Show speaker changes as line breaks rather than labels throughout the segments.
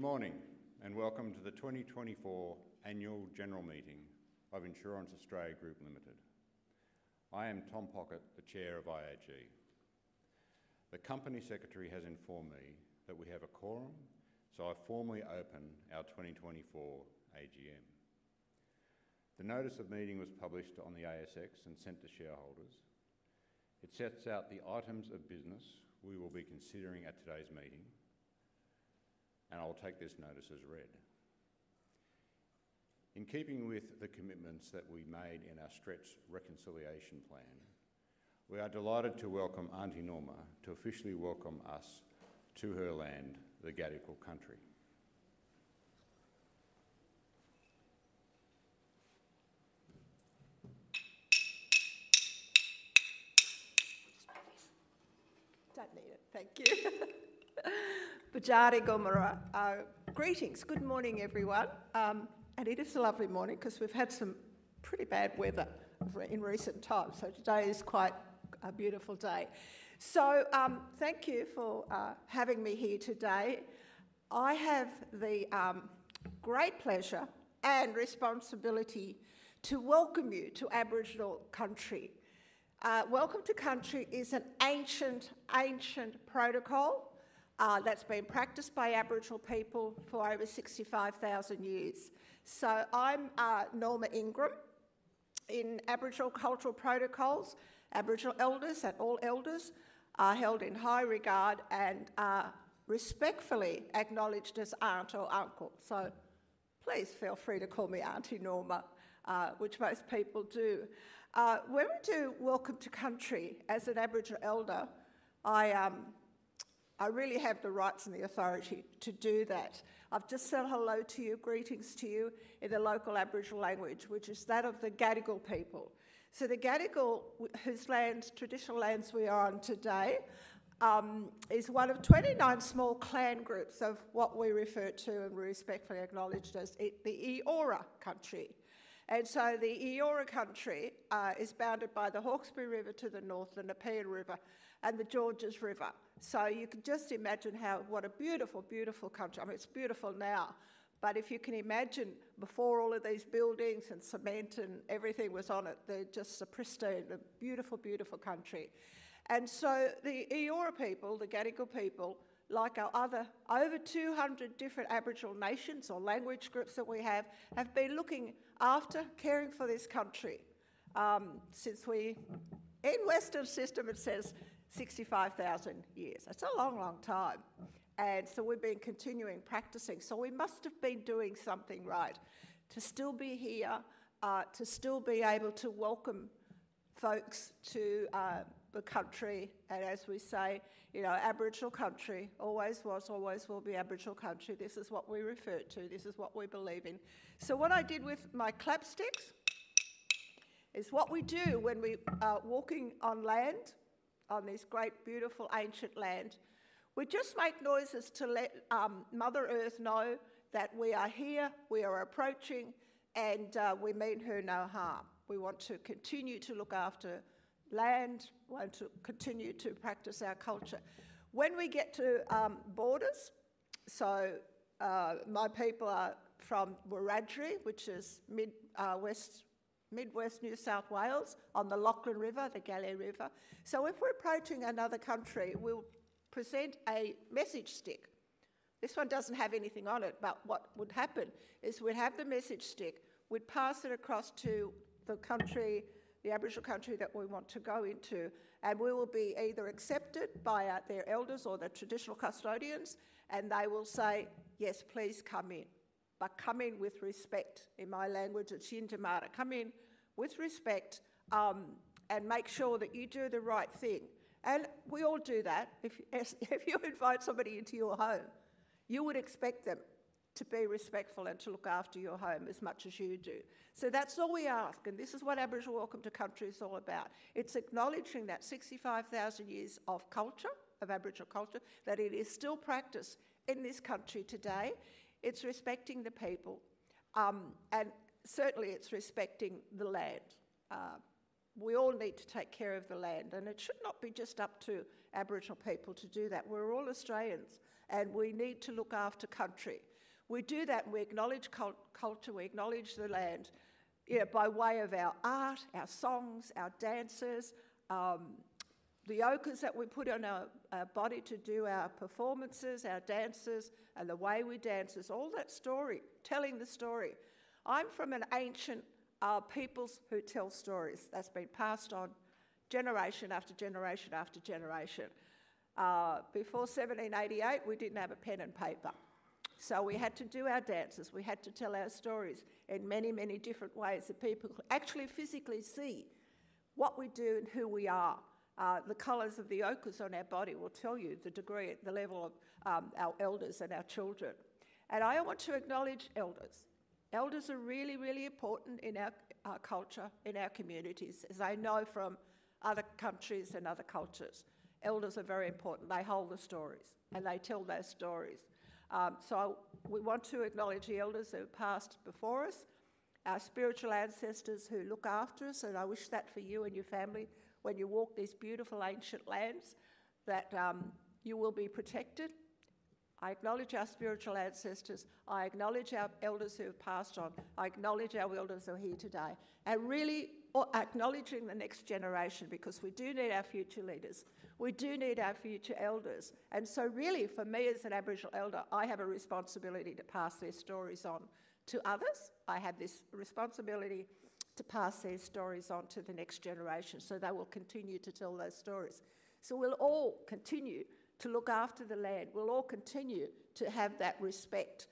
Good morning, and welcome to the twenty twenty-four Annual General Meeting of Insurance Australia Group Limited. I am Tom Pockett, the Chair of IAG. The Company Secretary has informed me that we have a quorum, so I formally open our twenty twenty-four AGM. The Notice of Meeting was published on the ASX and sent to shareholders. It sets out the items of business we will be considering at today's meeting, and I'll take this notice as read. In keeping with the commitments that we made in our Stretch Reconciliation Plan, we are delighted to welcome Aunty Norma to officially welcome us to her land, the Gadigal Country.
Don't need it. Thank you. Bujari gamarruwa. Greetings. Good morning, everyone. And it is a lovely morning 'cause we've had some pretty bad weather in recent times, so today is quite a beautiful day. So, thank you for having me here today. I have the great pleasure and responsibility to welcome you to Aboriginal country. Welcome to Country is an ancient, ancient protocol, that's been practiced by Aboriginal people for over sixty-five thousand years. So I'm Norma Ingram. In Aboriginal cultural protocols, Aboriginal elders and all elders are held in high regard and are respectfully acknowledged as aunt or uncle, so please feel free to call me Aunty Norma, which most people do. When we do Welcome to Country, as an Aboriginal elder, I really have the rights and the authority to do that. I've just said hello to you, greetings to you, in the local Aboriginal language, which is that of the Gadigal people. So the Gadigal, whose lands, traditional lands we are on today, is one of twenty-nine small clan groups of what we refer to and respectfully acknowledged as the Eora Country. And so the Eora Country, is bounded by the Hawkesbury River to the north, and the Nepean River, and the Georges River. So you can just imagine what a beautiful, beautiful country. I mean, it's beautiful now, but if you can imagine before all of these buildings and cement and everything was on it, they're just so pristine. A beautiful, beautiful country. And so the Eora people, the Gadigal people, like our other over 200 different Aboriginal nations or language groups that we have, have been looking after, caring for this country, since, in Western system, it says 65,000 years. That's a long, long time. And so we've been continuing practicing, so we must have been doing something right to still be here, to still be able to welcome folks to the country. And as we say, you know, Aboriginal country always was, always will be Aboriginal country. This is what we refer to. This is what we believe in. So what I did with my clapsticks, is what we do when we are walking on land, on this great, beautiful, ancient land. We just make noises to let Mother Earth know that we are here, we are approaching, and we mean her no harm. We want to continue to look after land. We want to continue to practice our culture. When we get to borders, so my people are from Wiradjuri, which is mid-west New South Wales on the Lachlan River, the Kalari River. So if we're approaching another country, we'll present a Message Stick. This one doesn't have anything on it, but what would happen is we'd have the Message Stick, we'd pass it across to the country, the Aboriginal country that we want to go into, and we will be either accepted by their elders or the traditional custodians, and they will say, "Yes, please come in, but come in with respect." In my language, it's Yindyamarra. Come in with respect, and make sure that you do the right thing." And we all do that. If you invite somebody into your home, you would expect them to be respectful and to look after your home as much as you do. So that's all we ask, and this is what Aboriginal Welcome to Country is all about. It's acknowledging that sixty-five thousand years of culture, of Aboriginal culture, that it is still practiced in this country today. It's respecting the people, and certainly, it's respecting the land. We all need to take care of the land, and it should not be just up to Aboriginal people to do that. We're all Australians, and we need to look after country. We do that, and we acknowledge culture. We acknowledge the land, yeah, by way of our art, our songs, our dances, the ochres that we put on our body to do our performances, our dances, and the way we dance, is all that story, telling the story. I'm from an ancient peoples who tell stories that's been passed on generation after generation after generation. Before seventeen eighty-eight, we didn't have a pen and paper, so we had to do our dances. We had to tell our stories in many, many different ways, that people could actually physically see what we do and who we are. The colors of the ochres on our body will tell you the degree, the level of our elders and our children. And I want to acknowledge elders. Elders are really, really important in our culture, in our communities, as I know from other countries and other cultures. Elders are very important. They hold the stories, and they tell those stories. So we want to acknowledge the elders who have passed before us, our spiritual ancestors who look after us, and I wish that for you and your family when you walk these beautiful ancient lands, that you will be protected. I acknowledge our spiritual ancestors. I acknowledge our elders who have passed on. I acknowledge our elders who are here today, and really acknowledging the next generation, because we do need our future leaders. We do need our future elders. And so really, for me, as an Aboriginal elder, I have a responsibility to pass these stories on to others. I have this responsibility to pass these stories on to the next generation, so they will continue to tell those stories. So we'll all continue to look after the land. We'll all continue to have that respect.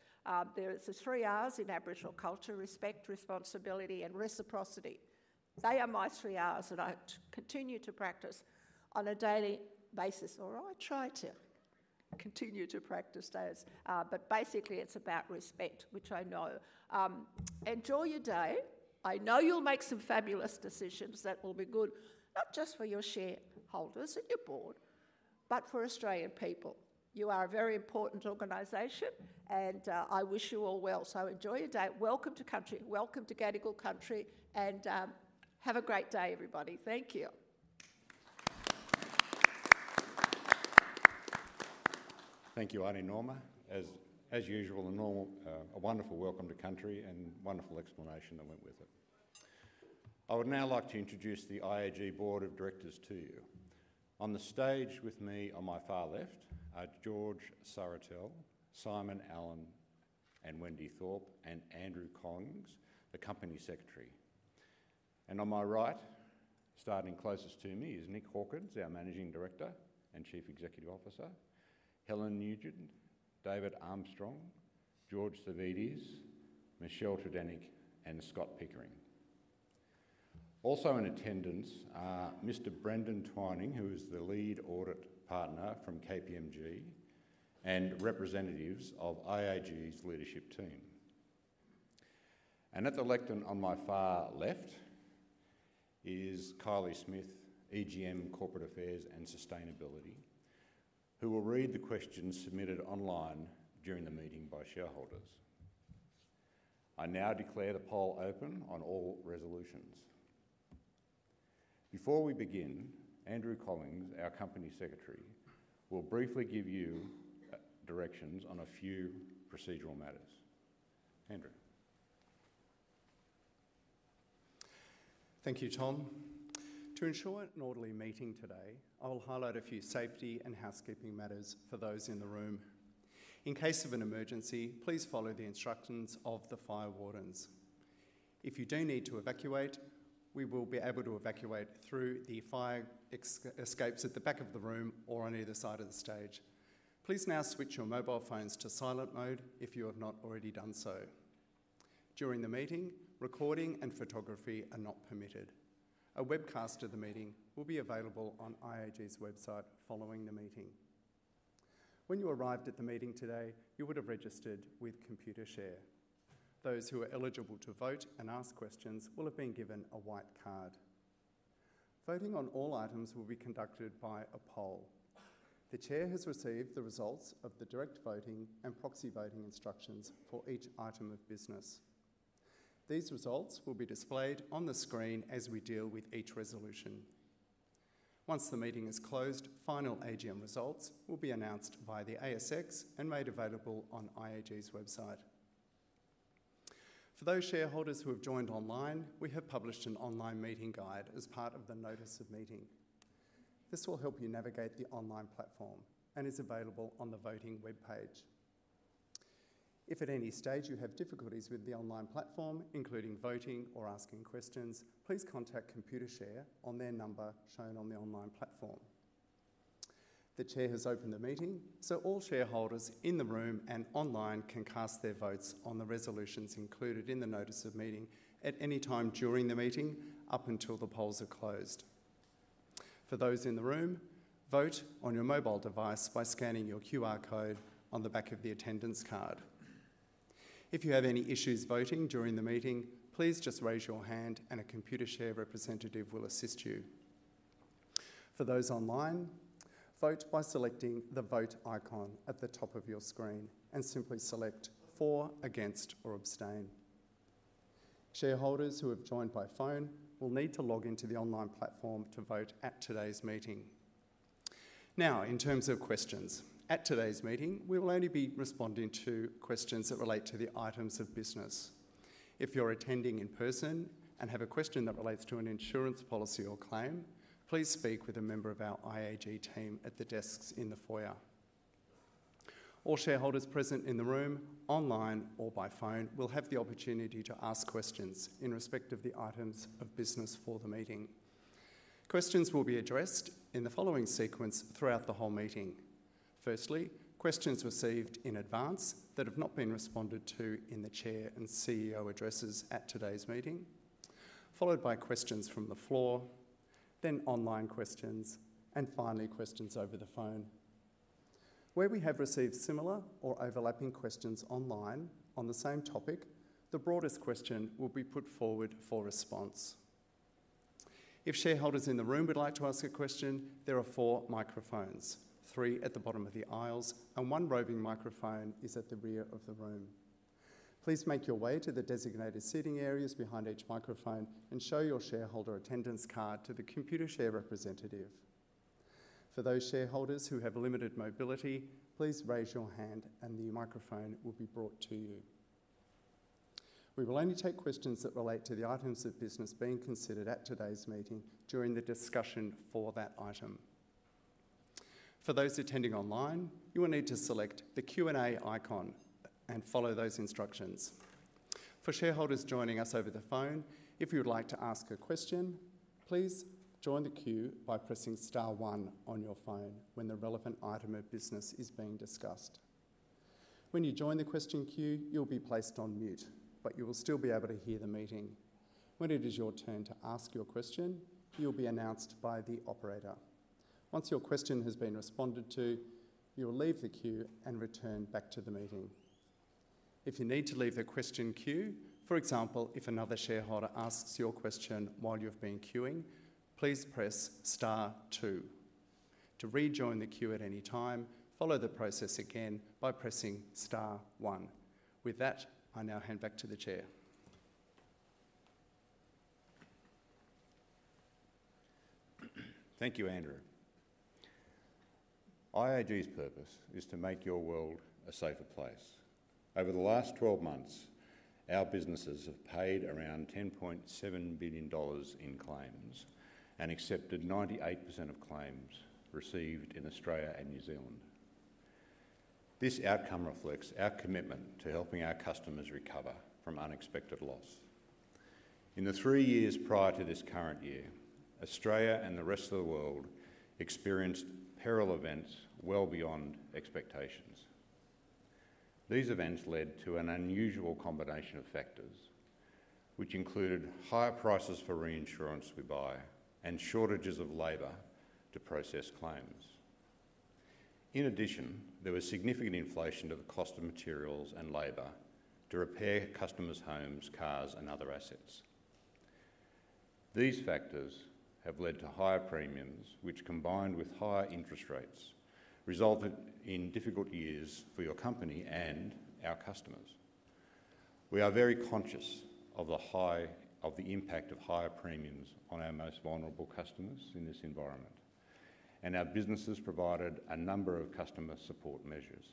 There is the three Rs in Aboriginal culture: respect, responsibility, and reciprocity. They are my three Rs, and I continue to practice on a daily basis, or I try to continue to practice those. But basically, it's about respect, which I know. Enjoy your day. I know you'll make some fabulous decisions that will be good, not just for your shareholders and your board, but for Australian people. You are a very important organization, and I wish you all well. So enjoy your day. Welcome to Country. Welcome to Gadigal Country, and have a great day, everybody. Thank you.
Thank you, Aunty Norma. As usual, a wonderful Welcome to Country and wonderful explanation that went with it. I would now like to introduce the IAG Board of Directors to you. On the stage with me, on my far left, are George Sartorel, Simon Allen, and Wendy Thorpe, and Andrew Collings, the Company Secretary. On my right, starting closest to me, is Nick Hawkins, our Managing Director and Chief Executive Officer; Helen Nugent, David Armstrong, George Savvides, Michelle Tredenick, and Scott Pickering. Also in attendance are Mr. Brendan Twining, who is the lead audit partner from KPMG, and representatives of IAG's leadership team. At the lectern on my far left is Kylie Smith, EGM Corporate Affairs and Sustainability, who will read the questions submitted online during the meeting by shareholders. I now declare the poll open on all resolutions. Before we begin, Andrew Collings, our Company Secretary, will briefly give you directions on a few procedural matters. Andrew?
Thank you, Tom. To ensure an orderly meeting today, I will highlight a few safety and housekeeping matters for those in the room. In case of an emergency, please follow the instructions of the fire wardens. If you do need to evacuate, we will be able to evacuate through the fire escapes at the back of the room or on either side of the stage. Please now switch your mobile phones to silent mode if you have not already done so. During the meeting, recording and photography are not permitted. A webcast of the meeting will be available on IAG's website following the meeting. When you arrived at the meeting today, you would have registered with Computershare. Those who are eligible to vote and ask questions will have been given a white card. Voting on all items will be conducted by a poll. The Chair has received the results of the direct voting and proxy voting instructions for each item of business. These results will be displayed on the screen as we deal with each resolution. Once the meeting is closed, final AGM results will be announced by the ASX and made available on IAG's website. For those shareholders who have joined online, we have published an online meeting guide as part of the Notice of Meeting. This will help you navigate the online platform and is available on the voting webpage. If at any stage you have difficulties with the online platform, including voting or asking questions, please contact Computershare on their number shown on the online platform. The Chair has opened the meeting, so all shareholders in the room and online can cast their votes on the resolutions included in the Notice of Meeting at any time during the meeting, up until the polls are closed. For those in the room, vote on your mobile device by scanning your QR code on the back of the attendance card. If you have any issues voting during the meeting, please just raise your hand and a Computershare representative will assist you. For those online, vote by selecting the Vote icon at the top of your screen and simply select For, Against, or Abstain. Shareholders who have joined by phone will need to log in to the online platform to vote at today's meeting. Now, in terms of questions, at today's meeting, we will only be responding to questions that relate to the items of business. If you're attending in person and have a question that relates to an insurance policy or claim, please speak with a member of our IAG team at the desks in the foyer. All shareholders present in the room, online, or by phone will have the opportunity to ask questions in respect of the items of business for the meeting. Questions will be addressed in the following sequence throughout the whole meeting: firstly, questions received in advance that have not been responded to in the Chair and CEO addresses at today's meeting; followed by questions from the floor; then online questions; and finally, questions over the phone. Where we have received similar or overlapping questions online on the same topic, the broadest question will be put forward for response. If shareholders in the room would like to ask a question, there are four microphones: three at the bottom of the aisles and one roving microphone is at the rear of the room. Please make your way to the designated seating areas behind each microphone and show your shareholder attendance card to the Computershare representative. For those shareholders who have limited mobility, please raise your hand and the microphone will be brought to you. We will only take questions that relate to the items of business being considered at today's meeting during the discussion for that item. For those attending online, you will need to select the Q&A icon and follow those instructions. For shareholders joining us over the phone, if you would like to ask a question, please join the queue by pressing star one on your phone when the relevant item of business is being discussed. When you join the question queue, you'll be placed on mute, but you will still be able to hear the meeting. When it is your turn to ask your question, you'll be announced by the operator. Once your question has been responded to, you will leave the queue and return back to the meeting. If you need to leave the question queue, for example, if another shareholder asks your question while you've been queuing, please press star two. To rejoin the queue at any time, follow the process again by pressing star one. With that, I now hand back to the chair.
Thank you, Andrew. IAG's purpose is to make your world a safer place. Over the last twelve months, our businesses have paid around 10.7 billion dollars in claims and accepted 98% of claims received in Australia and New Zealand. This outcome reflects our commitment to helping our customers recover from unexpected loss. In the three years prior to this current year, Australia and the rest of the world experienced peril events well beyond expectations. These events led to an unusual combination of factors, which included higher prices for reinsurance we buy and shortages of labor to process claims. In addition, there was significant inflation of the cost of materials and labor to repair customers' homes, cars, and other assets. These factors have led to higher premiums, which, combined with higher interest rates, resulted in difficult years for your company and our customers. We are very conscious of the impact of higher premiums on our most vulnerable customers in this environment, and our businesses provided a number of customer support measures.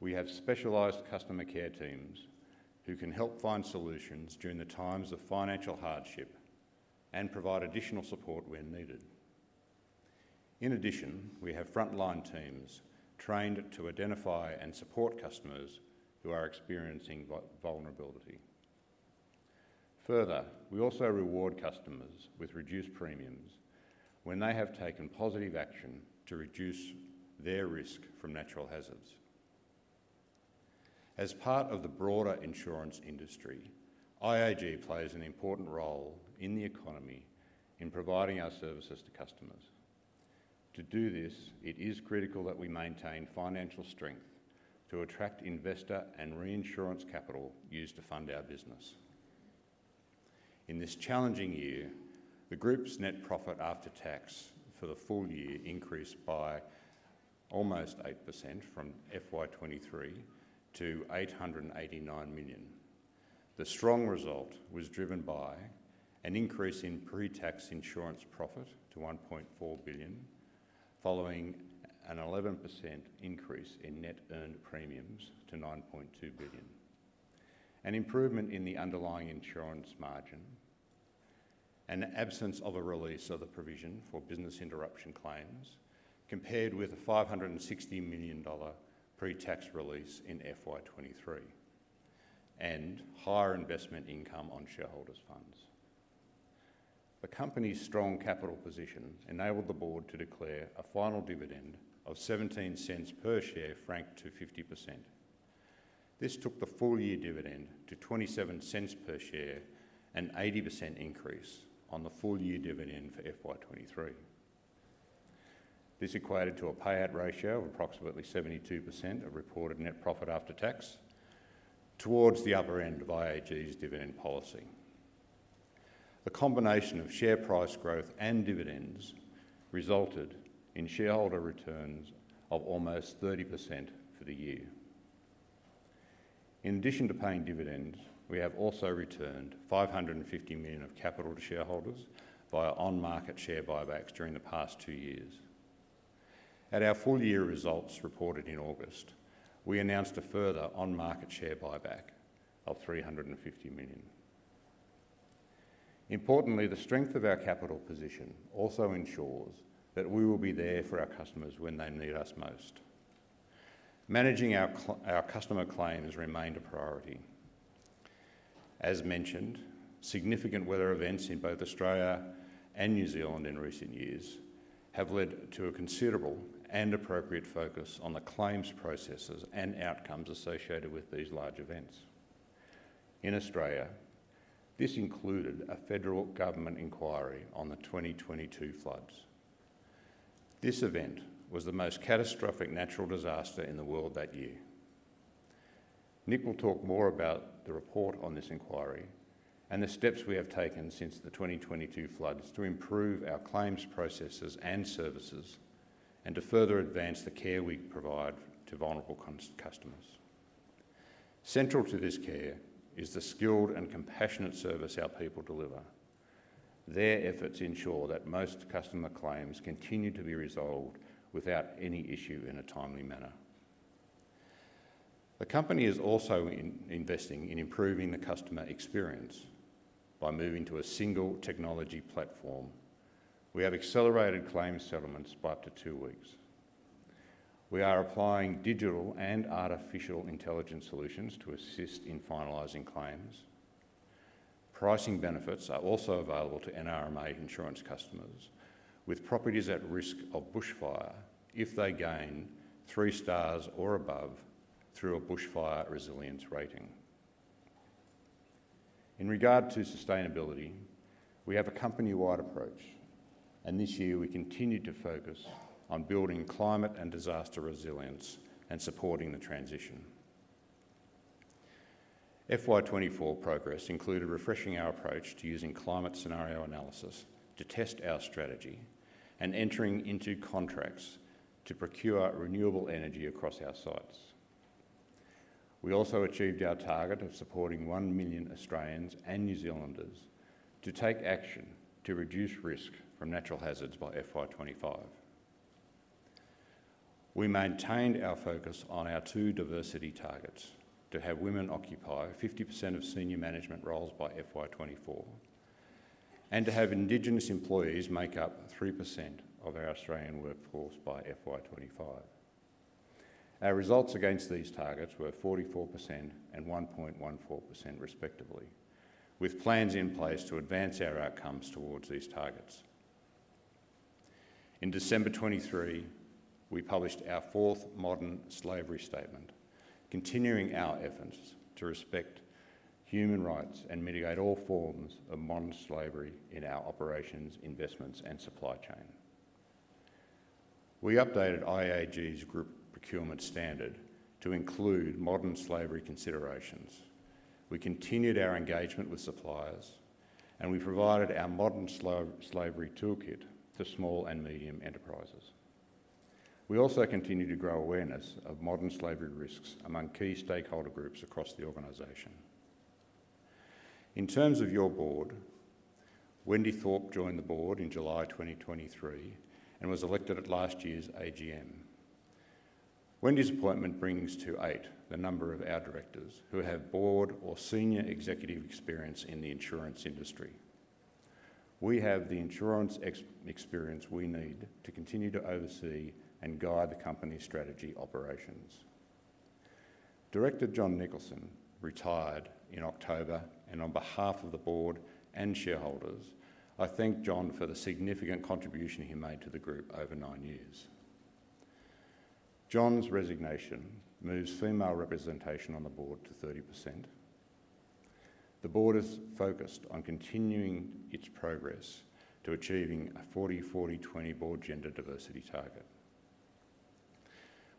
We have specialized customer care teams who can help find solutions during the times of financial hardship and provide additional support when needed. In addition, we have frontline teams trained to identify and support customers who are experiencing vulnerability. Further, we also reward customers with reduced premiums when they have taken positive action to reduce their risk from natural hazards. As part of the broader insurance industry, IAG plays an important role in the economy in providing our services to customers. To do this, it is critical that we maintain financial strength to attract investor and reinsurance capital used to fund our business. In this challenging year, the group's net profit after tax for the full year increased by almost 8% from FY 2023 to 889 million. The strong result was driven by an increase in pre-tax insurance profit to 1.4 billion, following an 11% increase in net earned premiums to 9.2 billion, an improvement in the underlying insurance margin, and the absence of a release of the provision for business interruption claims, compared with a 560 million dollar pre-tax release in FY 2023, and higher investment income on shareholders' funds. The company's strong capital position enabled the board to declare a final dividend of 0.17 per share, franked to 50%. This took the full-year dividend to 0.27 per share, an 80% increase on the full-year dividend for FY 2023. This equated to a payout ratio of approximately 72% of reported net profit after tax, towards the upper end of IAG's dividend policy. The combination of share price growth and dividends resulted in shareholder returns of almost 30% for the year. In addition to paying dividends, we have also returned 550 million of capital to shareholders via on-market share buybacks during the past two years. At our full-year results reported in August, we announced a further on-market share buyback of 350 million. Importantly, the strength of our capital position also ensures that we will be there for our customers when they need us most. Managing our customer claims remained a priority. As mentioned, significant weather events in both Australia and New Zealand in recent years have led to a considerable and appropriate focus on the claims processes and outcomes associated with these large events. In Australia, this included a federal government inquiry on the twenty twenty-two floods. This event was the most catastrophic natural disaster in the world that year. Nick will talk more about the report on this inquiry and the steps we have taken since the twenty twenty-two floods to improve our claims processes and services, and to further advance the care we provide to vulnerable customers. Central to this care is the skilled and compassionate service our people deliver. Their efforts ensure that most customer claims continue to be resolved without any issue in a timely manner. The company is also investing in improving the customer experience by moving to a single technology platform. We have accelerated claims settlements by up to two weeks. We are applying digital and artificial intelligence solutions to assist in finalizing claims. Pricing benefits are also available to NRMA Insurance customers with properties at risk of bushfire if they gain three stars or above through a Bushfire Resilience Rating. In regard to sustainability, we have a company-wide approach, and this year we continued to focus on building climate and disaster resilience and supporting the transition. FY 2024 progress included refreshing our approach to using climate scenario analysis to test our strategy and entering into contracts to procure renewable energy across our sites. We also achieved our target of supporting one million Australians and New Zealanders to take action to reduce risk from natural hazards by FY 2025. We maintained our focus on our two diversity targets: to have women occupy 50% of senior management roles by FY 2024, and to have Indigenous employees make up 3% of our Australian workforce by FY 2025. Our results against these targets were 44% and 1.14% respectively, with plans in place to advance our outcomes towards these targets. In December 2023, we published our fourth Modern Slavery Statement, continuing our efforts to respect human rights and mitigate all forms of modern slavery in our operations, investments and supply chain. We updated IAG's Group Procurement Standard to include modern slavery considerations. We continued our engagement with suppliers, and we provided our Modern Slavery Toolkit to small and medium enterprises. We also continued to grow awareness of modern slavery risks among key stakeholder groups across the organization. In terms of your board, Wendy Thorpe joined the board in July 2023 and was elected at last year's AGM. Wendy's appointment brings to eight the number of our directors who have board or senior executive experience in the insurance industry. We have the insurance experience we need to continue to oversee and guide the company's strategy operations. Director Jon Nicholson retired in October, and on behalf of the board and shareholders, I thank Jon for the significant contribution he made to the group over nine years. Jon's resignation moves female representation on the board to 30%. The board is focused on continuing its progress to achieving a 40-40-20 board gender diversity target.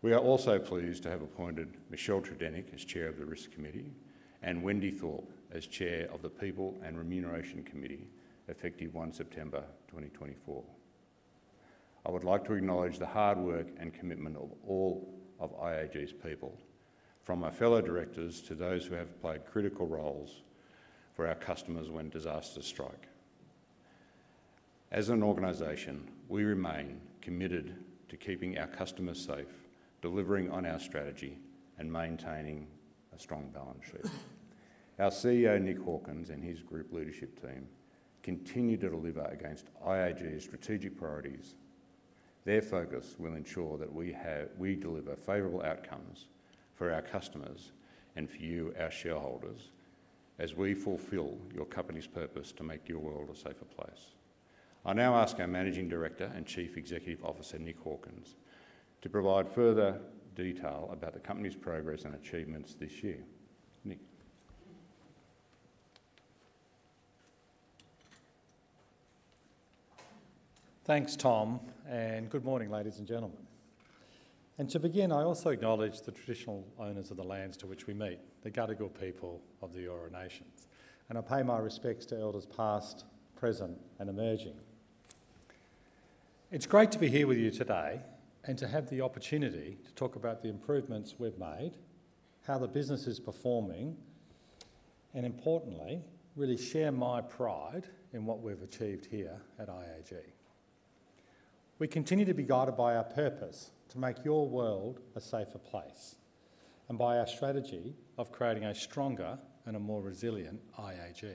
We are also pleased to have appointed Michelle Tredenick as Chair of the Risk Committee, and Wendy Thorpe as Chair of the People and Remuneration Committee, effective 1 September 2024. I would like to acknowledge the hard work and commitment of all of IAG's people, from my fellow directors to those who have played critical roles for our customers when disasters strike. As an organization, we remain committed to keeping our customers safe, delivering on our strategy, and maintaining a strong balance sheet. Our CEO, Nick Hawkins, and his group leadership team continue to deliver against IAG's strategic priorities. Their focus will ensure that we deliver favorable outcomes for our customers and for you, our shareholders, as we fulfill your company's purpose to make your world a safer place. I now ask our Managing Director and Chief Executive Officer, Nick Hawkins, to provide further detail about the company's progress and achievements this year. Nick?
Thanks, Tom, and good morning, ladies and gentlemen. And to begin, I also acknowledge the traditional owners of the lands to which we meet, the Gadigal people of the Eora Nations, and I pay my respects to elders past, present, and emerging. It's great to be here with you today and to have the opportunity to talk about the improvements we've made, how the business is performing, and importantly, really share my pride in what we've achieved here at IAG. We continue to be guided by our purpose to make your world a safer place, and by our strategy of creating a stronger and a more resilient IAG.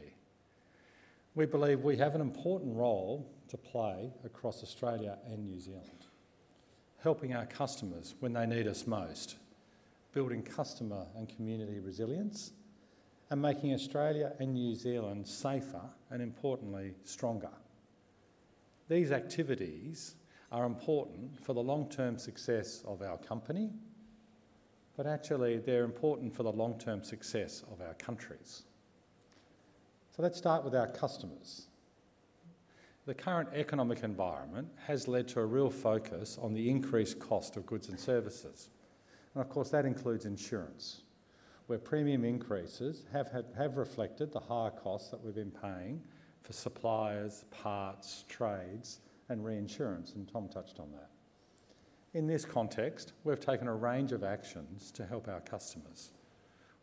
We believe we have an important role to play across Australia and New Zealand, helping our customers when they need us most, building customer and community resilience, and making Australia and New Zealand safer and importantly, stronger. These activities are important for the long-term success of our company, but actually, they're important for the long-term success of our countries. So let's start with our customers. The current economic environment has led to a real focus on the increased cost of goods and services, and of course, that includes insurance, where premium increases have reflected the higher costs that we've been paying for suppliers, parts, trades, and reinsurance, and Tom touched on that. In this context, we've taken a range of actions to help our customers.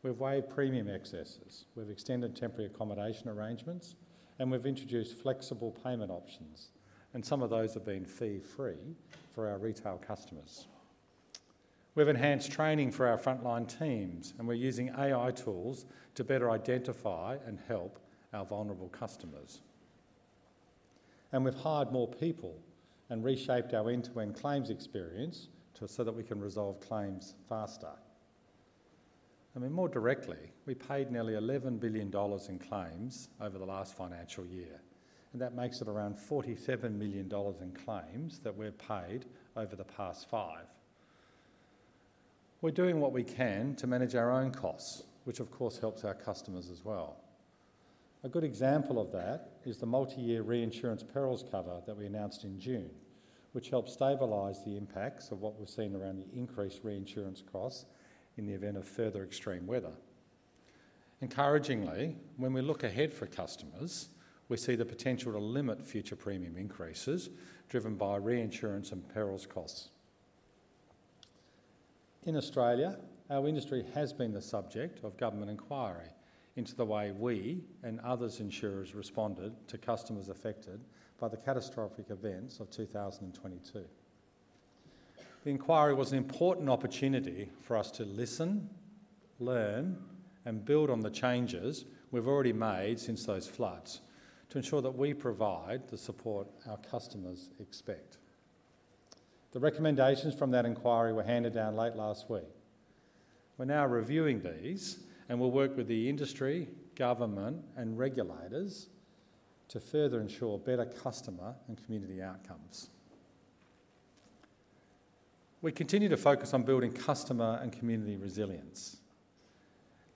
We've waived premium excesses, we've extended temporary accommodation arrangements, and we've introduced flexible payment options, and some of those have been fee-free for our retail customers. We've enhanced training for our frontline teams, and we're using AI tools to better identify and help our vulnerable customers. We've hired more people and reshaped our end-to-end claims experience to so that we can resolve claims faster. I mean, more directly, we paid nearly 11 billion dollars in claims over the last financial year, and that makes it around 47 billion dollars in claims that we've paid over the past five. We're doing what we can to manage our own costs, which of course helps our customers as well. A good example of that is the multi-year reinsurance perils cover that we announced in June, which helps stabilize the impacts of what we've seen around the increased reinsurance costs in the event of further extreme weather. Encouragingly, when we look ahead for customers, we see the potential to limit future premium increases driven by reinsurance and perils costs. In Australia, our industry has been the subject of government inquiry into the way we and other insurers responded to customers affected by the catastrophic events of 2022. The inquiry was an important opportunity for us to listen, learn, and build on the changes we've already made since those floods, to ensure that we provide the support our customers expect. The recommendations from that inquiry were handed down late last week. We're now reviewing these, and we'll work with the industry, government, and regulators to further ensure better customer and community outcomes. We continue to focus on building customer and community resilience.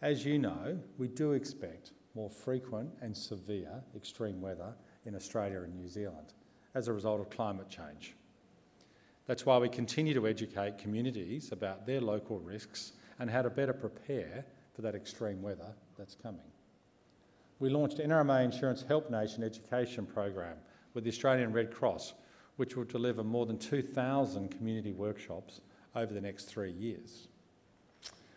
As you know, we do expect more frequent and severe extreme weather in Australia and New Zealand as a result of climate change. That's why we continue to educate communities about their local risks and how to better prepare for that extreme weather that's coming. We launched the NRMA Insurance Help Nation education program with the Australian Red Cross, which will deliver more than 2,000 community workshops over the next three years.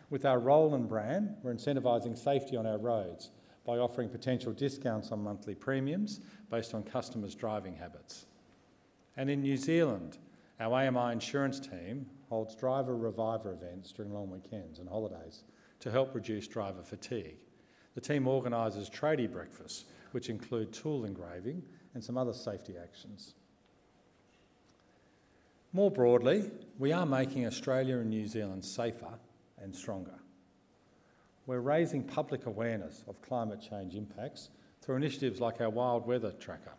With our ROLLiN' brand, we're incentivizing safety on our roads by offering potential discounts on monthly premiums based on customers' driving habits. And in New Zealand, our AMI Insurance team holds Driver Reviver events during long weekends and holidays to help reduce driver fatigue. The team organizes tradie breakfasts, which include tool engraving and some other safety actions. More broadly, we are making Australia and New Zealand safer and stronger. We're raising public awareness of climate change impacts through initiatives like our Wild Weather Tracker.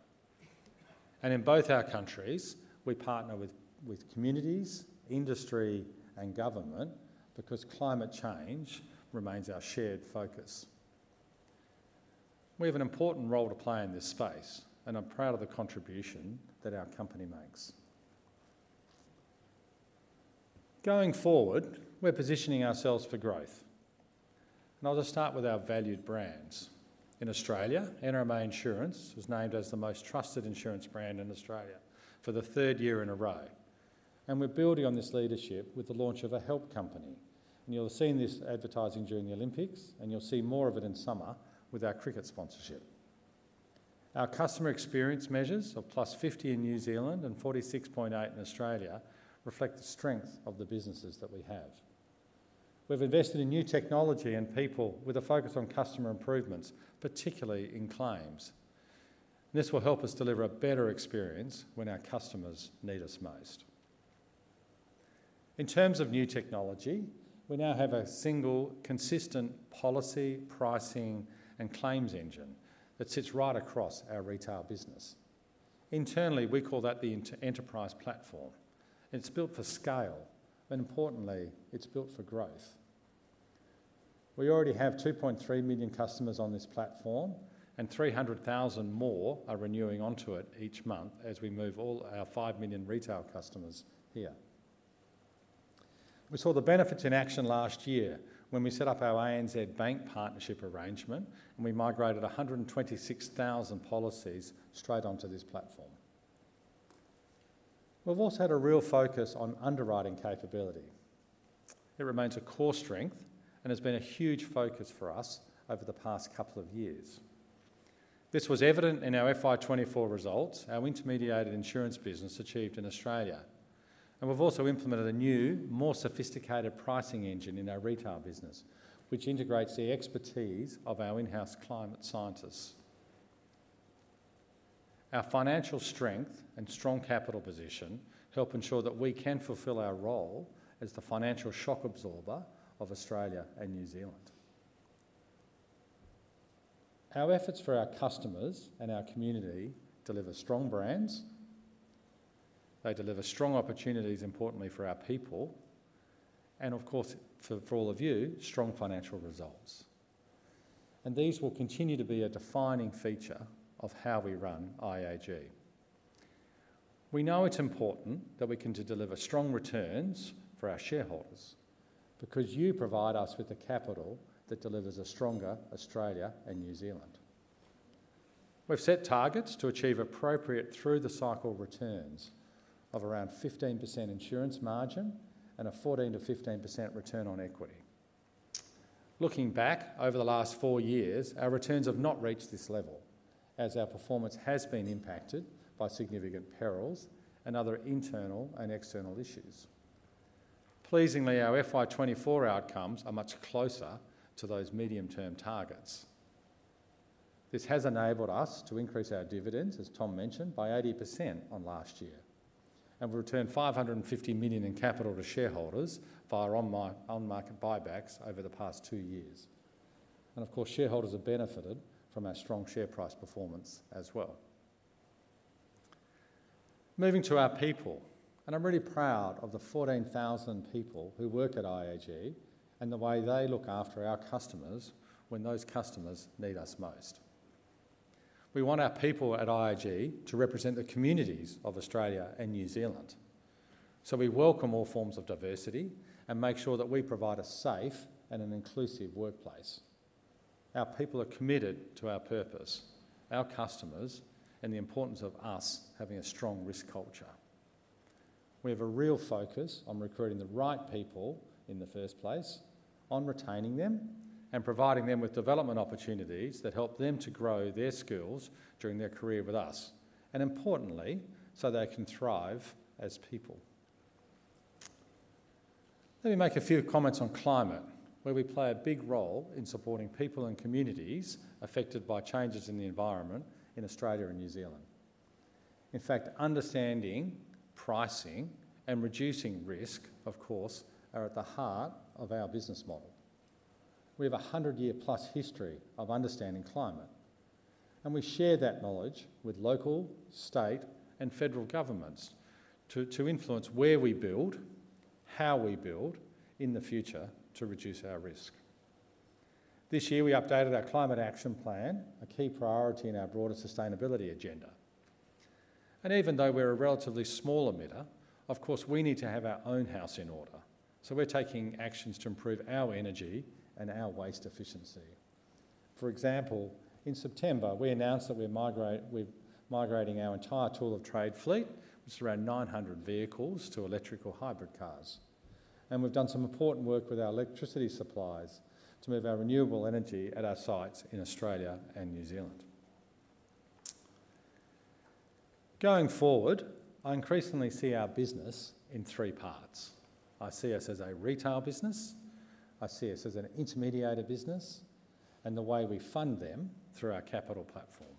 And in both our countries, we partner with communities, industry, and government because climate change remains our shared focus. We have an important role to play in this space, and I'm proud of the contribution that our company makes. Going forward, we're positioning ourselves for growth, and I'll just start with our valued brands. In Australia, NRMA Insurance was named as the most trusted insurance brand in Australia for the third year in a row, and we're building on this leadership with the launch of Help Nation, and you'll have seen this advertising during the Olympics, and you'll see more of it in summer with our cricket sponsorship. Our customer experience measures of +50 in New Zealand and 46.8 in Australia reflect the strength of the businesses that we have. We've invested in new technology and people with a focus on customer improvements, particularly in claims. This will help us deliver a better experience when our customers need us most. In terms of new technology, we now have a single consistent policy, pricing, and claims engine that sits right across our retail business. Internally, we call that the enterprise platform. It's built for scale, but importantly, it's built for growth. We already have 2.3 million customers on this platform, and 300,000 more are renewing onto it each month as we move all our 5 million retail customers here. We saw the benefits in action last year when we set up our ANZ Bank partnership arrangement, and we migrated 126,000 policies straight onto this platform. We've also had a real focus on underwriting capability. It remains a core strength and has been a huge focus for us over the past couple of years. This was evident in our FY 2024 results our intermediated insurance business achieved in Australia. We've also implemented a new, more sophisticated pricing engine in our retail business, which integrates the expertise of our in-house climate scientists. Our financial strength and strong capital position help ensure that we can fulfill our role as the financial shock absorber of Australia and New Zealand. Our efforts for our customers and our community deliver strong brands. They deliver strong opportunities, importantly for our people, and of course, for all of you, strong financial results. These will continue to be a defining feature of how we run IAG. We know it's important that we continue to deliver strong returns for our shareholders, because you provide us with the capital that delivers a stronger Australia and New Zealand. We've set targets to achieve appropriate through-the-cycle returns of around 15% insurance margin and a 14% to 15% return on equity. Looking back over the last four years, our returns have not reached this level, as our performance has been impacted by significant perils and other internal and external issues. Pleasingly, our FY 2024 outcomes are much closer to those medium-term targets. This has enabled us to increase our dividends, as Tom mentioned, by 80% on last year, and we returned 550 million in capital to shareholders via on-market buybacks over the past two years. Of course, shareholders have benefited from our strong share price performance as well. Moving to our people, and I'm really proud of the 14,000 people who work at IAG and the way they look after our customers when those customers need us most. We want our people at IAG to represent the communities of Australia and New Zealand, so we welcome all forms of diversity and make sure that we provide a safe and an inclusive workplace. Our people are committed to our purpose, our customers, and the importance of us having a strong risk culture. We have a real focus on recruiting the right people in the first place, on retaining them, and providing them with development opportunities that help them to grow their skills during their career with us, and importantly, so they can thrive as people. Let me make a few comments on climate, where we play a big role in supporting people and communities affected by changes in the environment in Australia and New Zealand. In fact, understanding, pricing, and reducing risk, of course, are at the heart of our business model. We have a 100-year-plus history of understanding climate, and we share that knowledge with local, state, and federal governments to influence where we build, how we build in the future to reduce our risk. This year, we updated our Climate Action Plan, a key priority in our broader sustainability agenda. And even though we're a relatively small emitter, of course, we need to have our own house in order, so we're taking actions to improve our energy and our waste efficiency. For example, in September, we announced that we're migrating our entire tool of trade fleet, which is around 900 vehicles, to electric or hybrid cars. And we've done some important work with our electricity suppliers to move our renewable energy at our sites in Australia and New Zealand. Going forward, I increasingly see our business in three parts. I see us as a retail business. I see us as an intermediary business, and the way we fund them through our capital platform.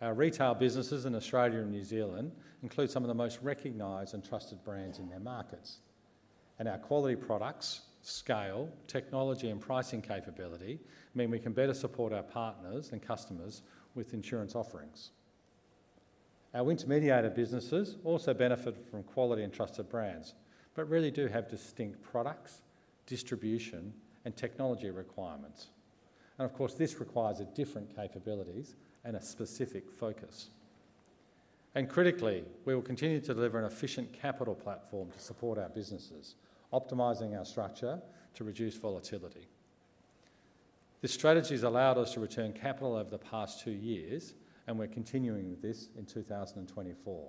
Our retail businesses in Australia and New Zealand include some of the most recognized and trusted brands in their markets, and our quality products, scale, technology, and pricing capability mean we can better support our partners and customers with insurance offerings. Our intermediary businesses also benefit from quality and trusted brands, but really do have distinct products, distribution, and technology requirements. Of course, this requires a different capabilities and a specific focus. Critically, we will continue to deliver an efficient capital platform to support our businesses, optimizing our structure to reduce volatility. This strategy has allowed us to return capital over the past two years, and we're continuing with this in 2024.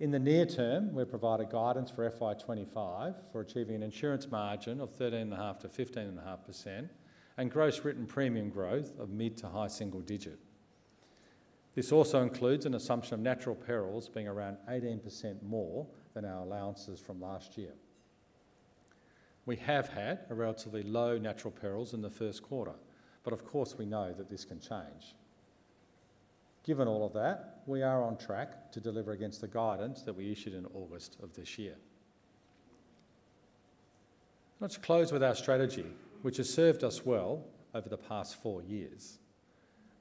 In the near term, we've provided guidance for FY 2025 for achieving an insurance margin of 13.5%-15.5% and gross written premium growth of mid- to high-single-digit. This also includes an assumption of natural perils being around 18% more than our allowances from last year. We have had a relatively low natural perils in the first quarter, but of course we know that this can change. Given all of that, we are on track to deliver against the guidance that we issued in August of this year. Let's close with our strategy, which has served us well over the past four years.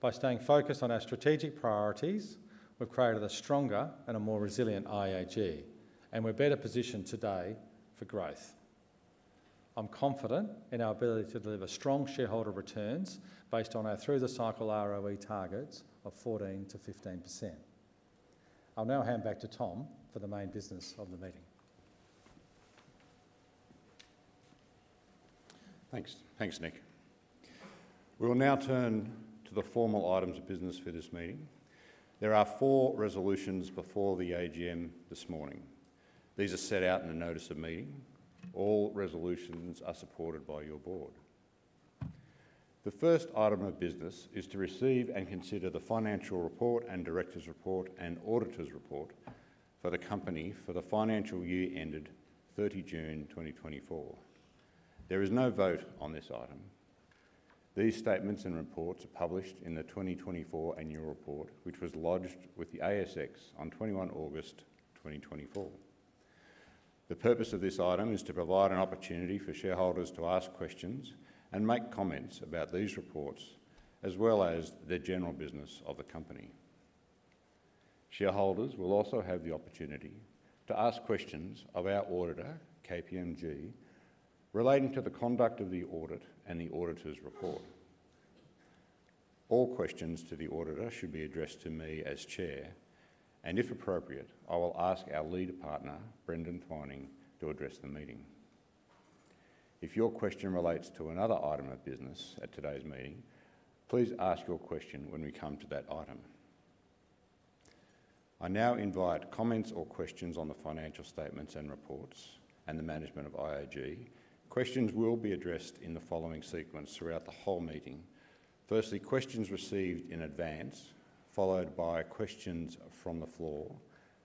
By staying focused on our strategic priorities, we've created a stronger and a more resilient IAG, and we're better positioned today for growth. I'm confident in our ability to deliver strong shareholder returns based on our through-the-cycle ROE targets of 14%-15%. I'll now hand back to Tom for the main business of the meeting.
Thanks. Thanks, Nick. We will now turn to the formal items of business for this meeting. There are four resolutions before the AGM this morning. These are set out in the Notice of Meeting. All resolutions are supported by your board. The first item of business is to receive and consider the Financial Report and Directors' Report and Auditor's Report for the company for the financial year ended 30 June 2024. There is no vote on this item. These statements and reports are published in the 2024 Annual Report, which was lodged with the ASX on 21 August 2024. The purpose of this item is to provide an opportunity for shareholders to ask questions and make comments about these reports, as well as the general business of the company. Shareholders will also have the opportunity to ask questions of our auditor, KPMG, relating to the conduct of the audit and the auditor's report. All questions to the auditor should be addressed to me as chair, and if appropriate, I will ask our lead partner, Brendan Twining, to address the meeting. If your question relates to another item of business at today's meeting, please ask your question when we come to that item. I now invite comments or questions on the financial statements and reports and the management of IAG. Questions will be addressed in the following sequence throughout the whole meeting. Firstly, questions received in advance, followed by questions from the floor,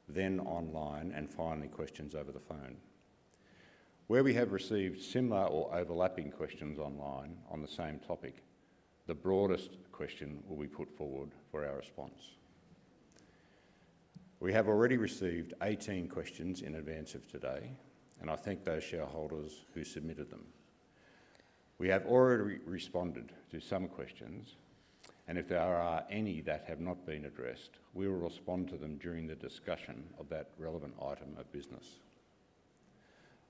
then online, and finally, questions over the phone. Where we have received similar or overlapping questions online on the same topic, the broadest question will be put forward for our response. We have already received 18 questions in advance of today, and I thank those shareholders who submitted them. We have already responded to some questions, and if there are any that have not been addressed, we will respond to them during the discussion of that relevant item of business.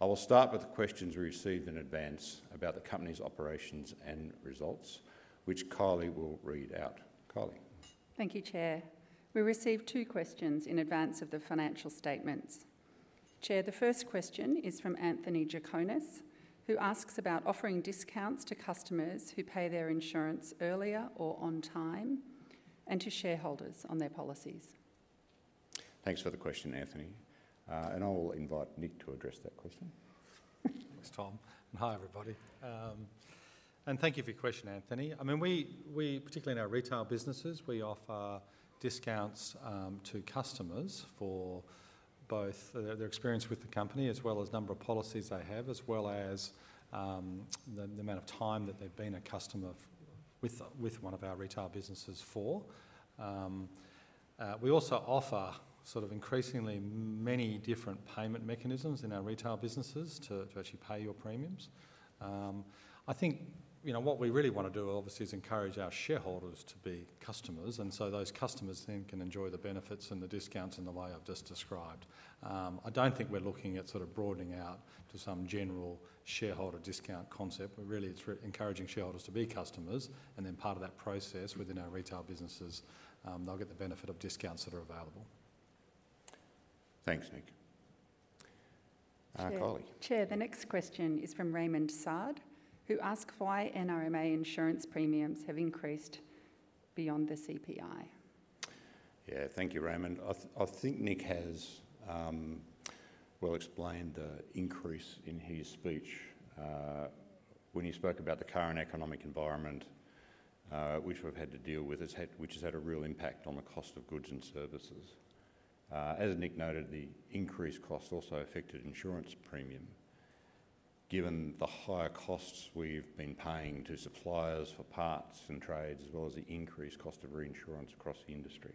I will start with the questions we received in advance about the company's operations and results, which Kylie will read out. Kylie?
Thank you, Chair. We received two questions in advance of the financial statements. Chair, the first question is from Anthony Tsaconis, who asks about offering discounts to customers who pay their insurance earlier or on time, and to shareholders on their policies.
Thanks for the question, Anthony, and I'll invite Nick to address that question.
Thanks, Tom, and hi, everybody, and thank you for your question, Anthony. I mean, we particularly in our retail businesses offer discounts to customers for both their experience with the company, as well as number of policies they have, as well as the amount of time that they've been a customer with one of our retail businesses for. We also offer sort of increasingly many different payment mechanisms in our retail businesses to actually pay your premiums. I think, you know, what we really wanna do obviously is encourage our shareholders to be customers, and so those customers then can enjoy the benefits and the discounts in the way I've just described. I don't think we're looking at sort of broadening out to some general shareholder discount concept. We're really encouraging shareholders to be customers, and then part of that process within our retail businesses, they'll get the benefit of discounts that are available.
Thanks, Nick. Kylie.
Chair, the next question is from Raymond Saad, who asked why NRMA Insurance premiums have increased beyond the CPI.
Yeah. Thank you, Raymond. I think Nick has well explained the increase in his speech when he spoke about the current economic environment which we've had to deal with, which has had a real impact on the cost of goods and services. As Nick noted, the increased costs also affected insurance premium, given the higher costs we've been paying to suppliers for parts and trades, as well as the increased cost of reinsurance across the industry.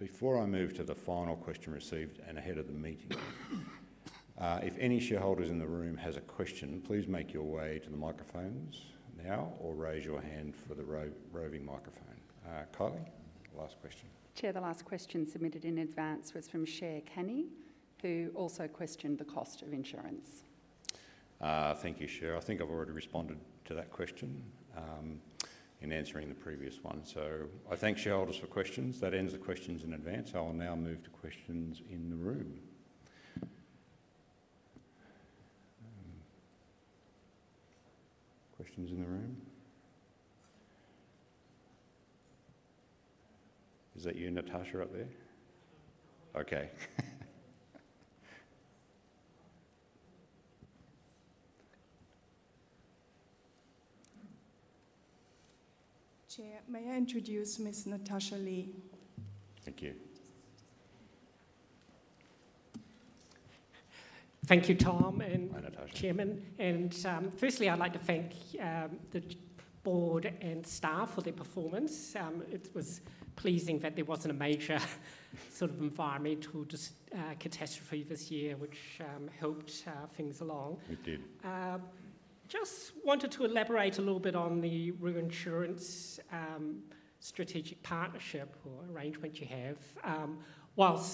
Before I move to the final question received and ahead of the meeting, if any shareholders in the room has a question, please make your way to the microphones now or raise your hand for the roving microphone. Kylie, last question.
Chair, the last question submitted in advance was from Cher Canny, who also questioned the cost of insurance.
Thank you, Cher. I think I've already responded to that question in answering the previous one, so I thank shareholders for questions. That ends the questions in advance. I will now move to questions in the room. Questions in the room? Is that you, Natasha, up there? Okay.
Chair, may I introduce Miss Natasha Lee?
Thank you.
Thank you, Tom and-
Hi, Natasha
Chairman. And, firstly, I'd like to thank the board and staff for their performance. It was pleasing that there wasn't a major sort of environmental catastrophe this year, which helped things along.
It did.
Just wanted to elaborate a little bit on the reinsurance, strategic partnership or arrangement you have. While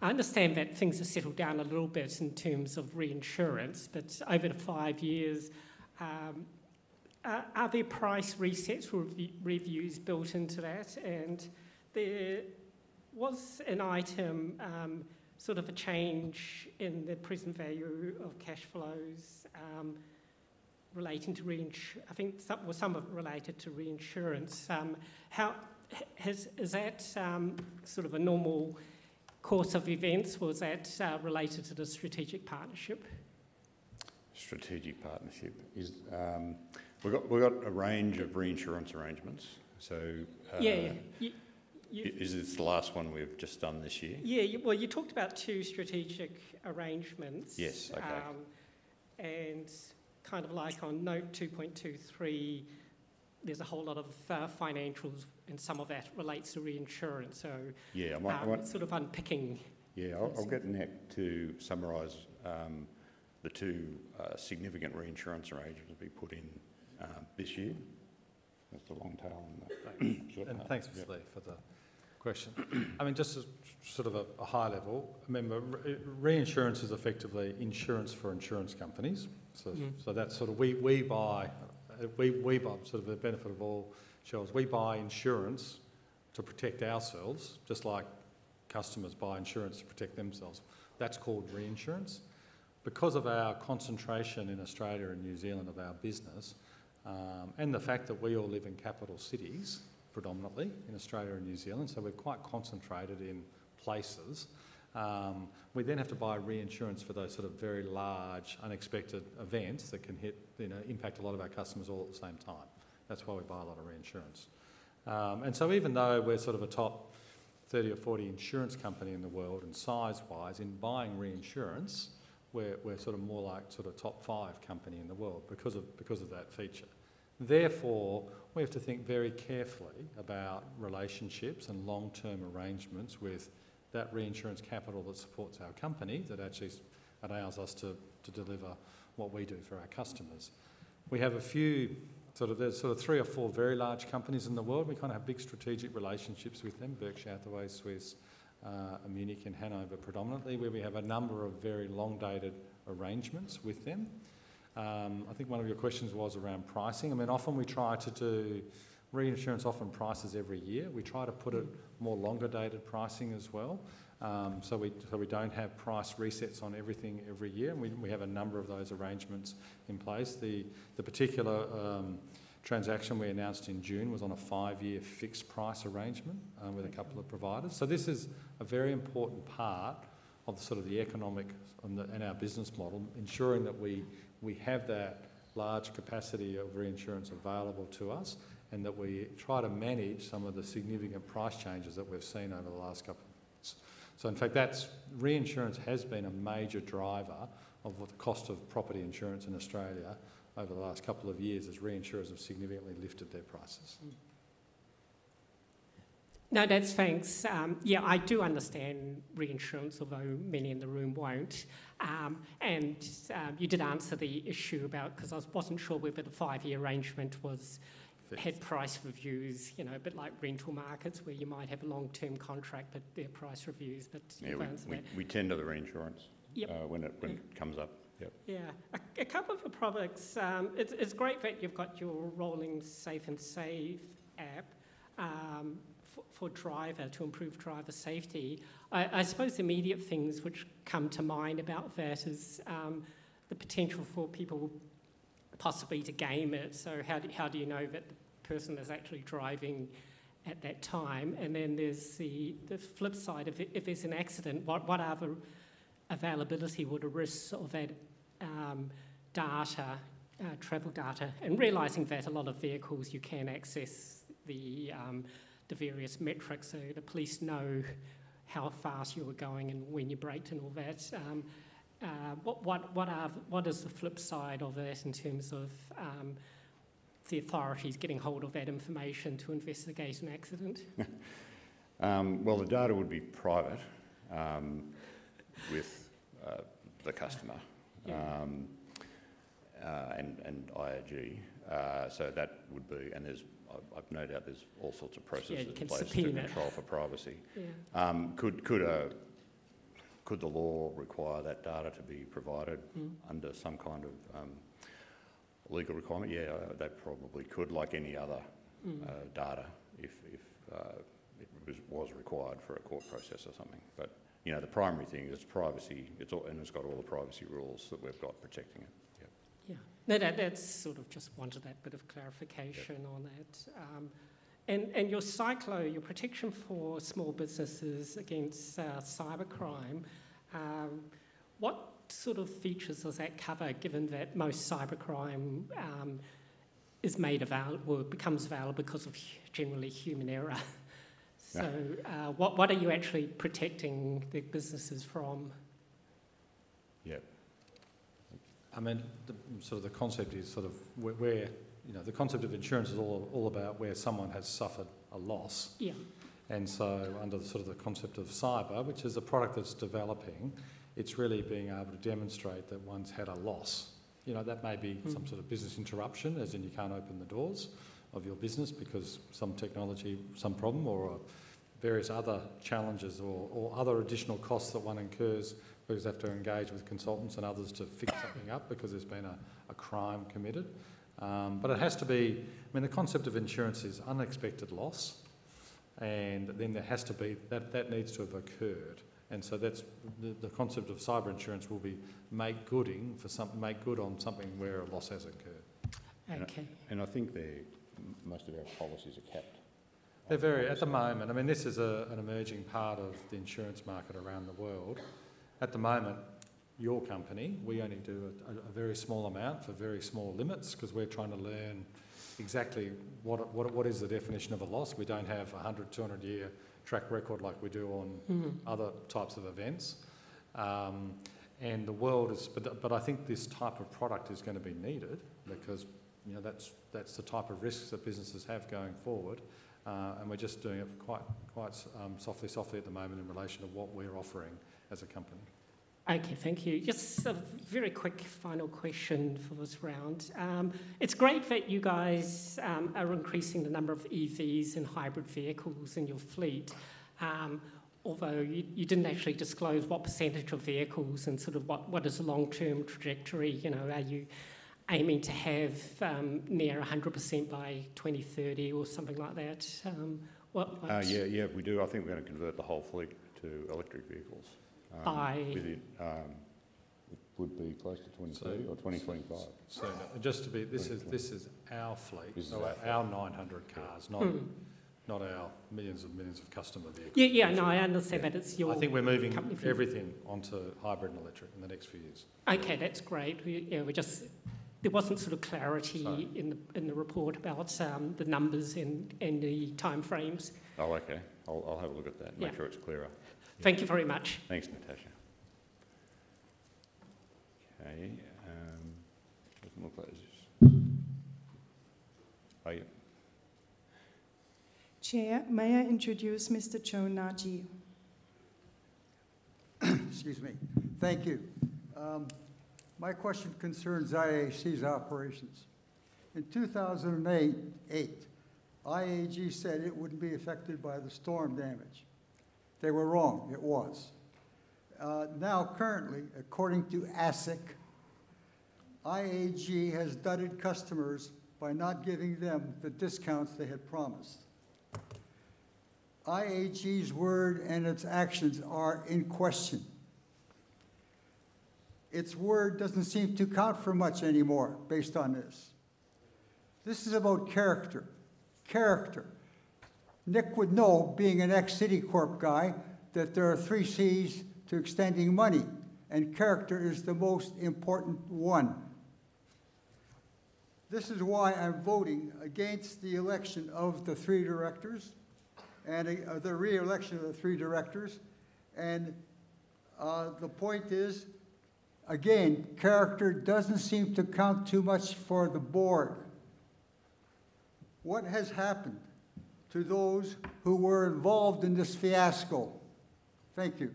I understand that things have settled down a little bit in terms of reinsurance, but over the five years, are there price resets or reviews built into that? And there was an item, sort of a change in the present value of cash flows, relating to reinsurance. I think some of it related to reinsurance. Is that sort of a normal course of events or is that related to the strategic partnership?
Strategic partnership. We've got a range of reinsurance arrangements. So
Yeah. You
Is this the last one we've just done this year?
Yeah. Well, you talked about two strategic arrangements.
Yes. Okay.
And kind of like on Note 2.23, there's a whole lot of financials, and some of that relates to reinsurance. So-
Yeah, I might, I want-
Sort of unpicking.
Yeah, I'll get Nick to summarize the two significant reinsurance arrangements we put in this year. That's the long tail and the short tail.
Thanks, Ms. Lee, for the question. I mean, just as sort of a high level, remember, reinsurance is effectively insurance for insurance companies.
Mm-hmm.
So that's sort of we buy the benefit of all else. We buy insurance to protect ourselves, just like customers buy insurance to protect themselves. That's called reinsurance. Because of our concentration in Australia and New Zealand of our business, and the fact that we all live in capital cities, predominantly in Australia and New Zealand, so we're quite concentrated in places, we then have to buy reinsurance for those sort of very large, unexpected events that can hit, you know, impact a lot of our customers all at the same time. That's why we buy a lot of reinsurance. And so even though we're sort of a top 30 or 40 insurance company in the world, and size-wise in buying reinsurance, we're sort of more like sort of top 5 company in the world because of that feature. Therefore, we have to think very carefully about relationships and long-term arrangements with that reinsurance capital that supports our company, that actually allows us to deliver what we do for our customers. We have a few, sort of, there's sort of 3 or 4 very large companies in the world. We kind of have big strategic relationships with them: Berkshire Hathaway, Swiss Re, Munich Re and Hannover Re predominantly, where we have a number of very long-dated arrangements with them. I think one of your questions was around pricing. I mean, often we try to do... Reinsurance often prices every year. We try to put a more longer-dated pricing as well, so we don't have price resets on everything every year, and we have a number of those arrangements in place. The particular transaction we announced in June was on a five-year fixed price arrangement with a couple of providers. So this is a very important part of the sort of economic and our business model, ensuring that we have that large capacity of reinsurance available to us, and that we try to manage some of the significant price changes that we've seen over the last couple of years. So in fact, that's reinsurance has been a major driver of the cost of property insurance in Australia over the last couple of years, as reinsurers have significantly lifted their prices.
No, that's thanks. Yeah, I do understand reinsurance, although many in the room won't. You did answer the issue about... 'cause I wasn't sure whether the five-year arrangement was-
Yes
Had price reviews, you know, a bit like rental markets, where you might have a long-term contract, but there are price reviews, but you answered that.
Yeah, we tend to the reinsurance-
Yep
When it comes up. Yep.
Yeah. A couple of products. It's great that you've got your ROLLiN' Safe 'n Save app for drivers to improve driver safety. I suppose immediate things which come to mind about that is the potential for people possibly to game it. So how do you know that the person is actually driving at that time? And then there's the flip side of it. If there's an accident, what other availability would arise from the risk of that data, travel data? And realizing that a lot of vehicles you can access the various metrics, so the police know how fast you were going and when you braked and all that. What is the flip side of that in terms of the authorities getting hold of that information to investigate an accident?
The data would be private, with the customer-
Yeah
And IAG. So that would be... And there's, I've no doubt there's all sorts of processes-
Yeah, consent
In place to control for privacy.
Yeah.
Could the law require that data to be provided?
Mm-hmm
Under some kind of legal requirement? Yeah, that probably could, like any other-
Mm
Data, if it was required for a court process or something. But you know, the primary thing is privacy. It's all, and it's got all the privacy rules that we've got protecting it. Yep.
Yeah. No, that, that's sort of just wanted that bit of clarification on that.
Yeah.
And your cyber, your protection for small businesses against cybercrime, what sort of features does that cover, given that most cybercrime is made available or becomes available because of, generally, human error?
Yeah.
What are you actually protecting the businesses from?
Yeah.
I mean, the sort of concept is sort of where... You know, the concept of insurance is all about where someone has suffered a loss.
Yeah.
Under the sort of concept of cyber, which is a product that's developing, it's really being able to demonstrate that one's had a loss. You know, that may be-
Mm
Some sort of business interruption, as in you can't open the doors of your business because some technology, some problem, or various other challenges or other additional costs that one incurs because they have to engage with consultants and others to fix something up because there's been a crime committed, but it has to be... I mean, the concept of insurance is unexpected loss, and then there has to be that needs to have occurred, and so that's the concept of cyber insurance will be making good for some, making good on something where a loss has occurred.
Okay.
I think most of our policies are capped.
They're very, at the moment. I mean, this is an emerging part of the insurance market around the world. At the moment, your company. We only do a very small amount for very small limits, because we're trying to learn exactly what is the definition of a loss. We don't have a hundred, two hundred year track record like we do on-
Mm-hmm
Other types of events. But I think this type of product is going to be needed, because, you know, that's the type of risks that businesses have going forward. And we're just doing it quite softly, softly at the moment in relation to what we're offering as a company.
Okay, thank you. Just a very quick final question for this round. It's great that you guys are increasing the number of EVs and hybrid vehicles in your fleet. Although you didn't actually disclose what percentage of vehicles and sort of what is the long-term trajectory. You know, are you aiming to have near 100% by 2030 or something like that? What-
Yeah, yeah, we do. I think we're going to convert the whole fleet to electric vehicles.
I-
Within it would be close to twenty-three or twenty twenty-five.
So just to be-
Twenty twenty-
This is our fleet.
This is our fleet.
Our nine hundred cars-
Yeah.
Mm.
Not, not our millions and millions of customer vehicles.
Yeah, yeah. No, I understand that it's your-
I think we're moving-
Company
Everything onto hybrid and electric in the next few years.
Okay, that's great. There wasn't sort of clarity-
Sorry
In the report about the numbers and the time frames.
Oh, okay. I'll have a look at that.
Yeah
and make sure it's clearer.
Thank you very much.
Thanks, Natasha. Okay, there's more questions. Oh, you.
Chair, may I introduce Mr. Joe Nagy?
Excuse me. Thank you. My question concerns IAG's operations. In two thousand and eight, IAG said it wouldn't be affected by the storm damage. They were wrong, it was. Now, currently, according to ASIC, IAG has dudded customers by not giving them the discounts they had promised. IAG's word and its actions are in question. Its word doesn't seem to count for much anymore, based on this. This is about character. Character. Nick would know, being an ex-Citicorp guy, that there are three Cs to extending money, and character is the most important one. This is why I'm voting against the election of the three directors and the re-election of the three directors, and the point is, again, character doesn't seem to count too much for the board. What has happened to those who were involved in this fiasco? Thank you.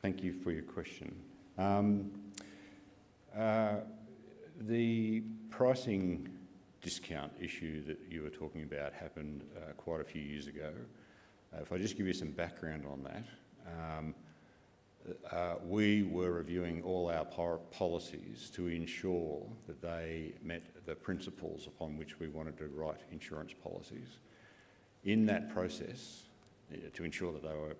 Thank you for your question. The pricing discount issue that you were talking about happened quite a few years ago. If I just give you some background on that, we were reviewing all our policies to ensure that they met the principles upon which we wanted to write insurance policies. In that process, to ensure that they were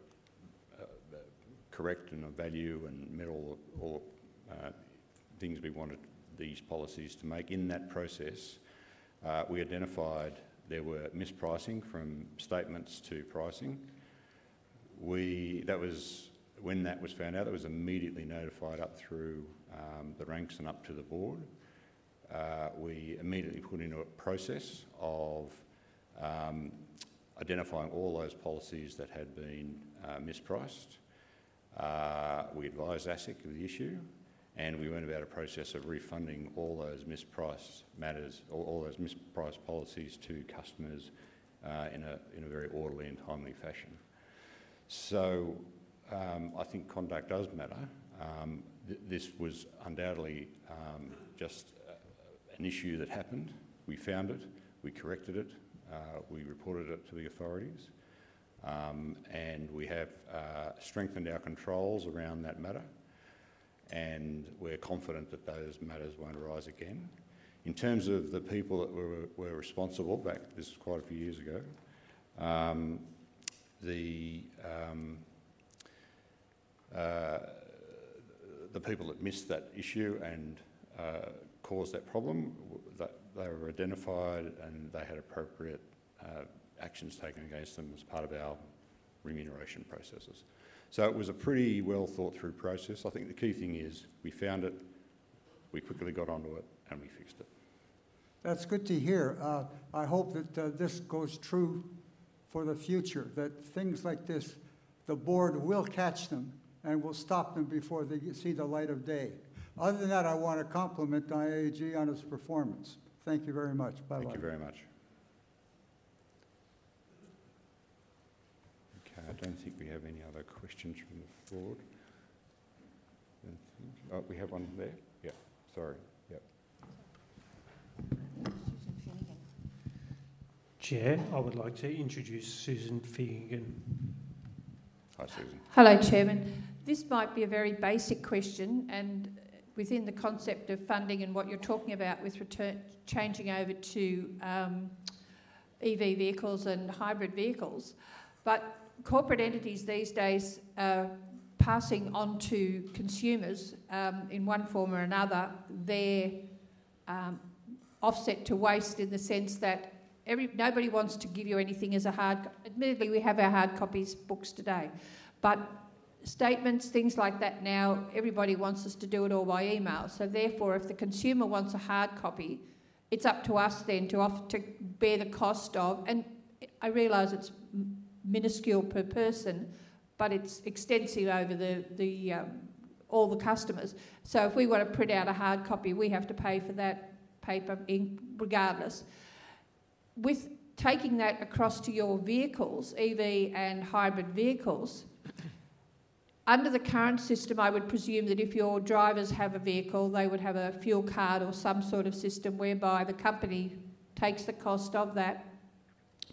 correct and of value and met all things we wanted these policies to make, in that process, we identified there were mispricing from statements to pricing. That was, when that was found out, it was immediately notified up through the ranks and up to the board. We immediately put into a process of identifying all those policies that had been mispriced. We advised ASIC of the issue, and we went about a process of refunding all those mispriced matters or all those mispriced policies to customers, in a very orderly and timely fashion, so I think conduct does matter. This was undoubtedly just an issue that happened. We found it, we corrected it, we reported it to the authorities, and we have strengthened our controls around that matter, and we're confident that those matters won't arise again. In terms of the people that were responsible, this is quite a few years ago, the people that missed that issue and caused that problem, they were identified, and they had appropriate actions taken against them as part of our remuneration processes, so it was a pretty well-thought-through process. I think the key thing is we found it, we quickly got onto it, and we fixed it.
That's good to hear. I hope that this goes true for the future, that things like this, the board will catch them and will stop them before they see the light of day. Other than that, I want to compliment IAG on its performance. Thank you very much. Bye-bye.
Thank you very much. Okay, I don't think we have any other questions from the floor. Oh, we have one there? Yeah, sorry. Yeah.
Susan Finnegan. Chair, I would like to introduce Susan Finnegan.
Hi, Susan.
Hello, Chairman. This might be a very basic question, and within the concept of funding and what you're talking about with return, changing over to EV vehicles and hybrid vehicles. But corporate entities these days are passing on to consumers, in one form or another, their offset to waste in the sense that nobody wants to give you anything as a hard copy. Admittedly, we have our hard copy books today. But statements, things like that now, everybody wants us to do it all by email. So therefore, if the consumer wants a hard copy, it's up to us then to bear the cost of. And I realize it's minuscule per person, but it's extensive over all the customers. So if we were to print out a hard copy, we have to pay for that paper, ink, regardless. With taking that across to your vehicles, EV and hybrid vehicles, under the current system, I would presume that if your drivers have a vehicle, they would have a fuel card or some sort of system whereby the company takes the cost of that.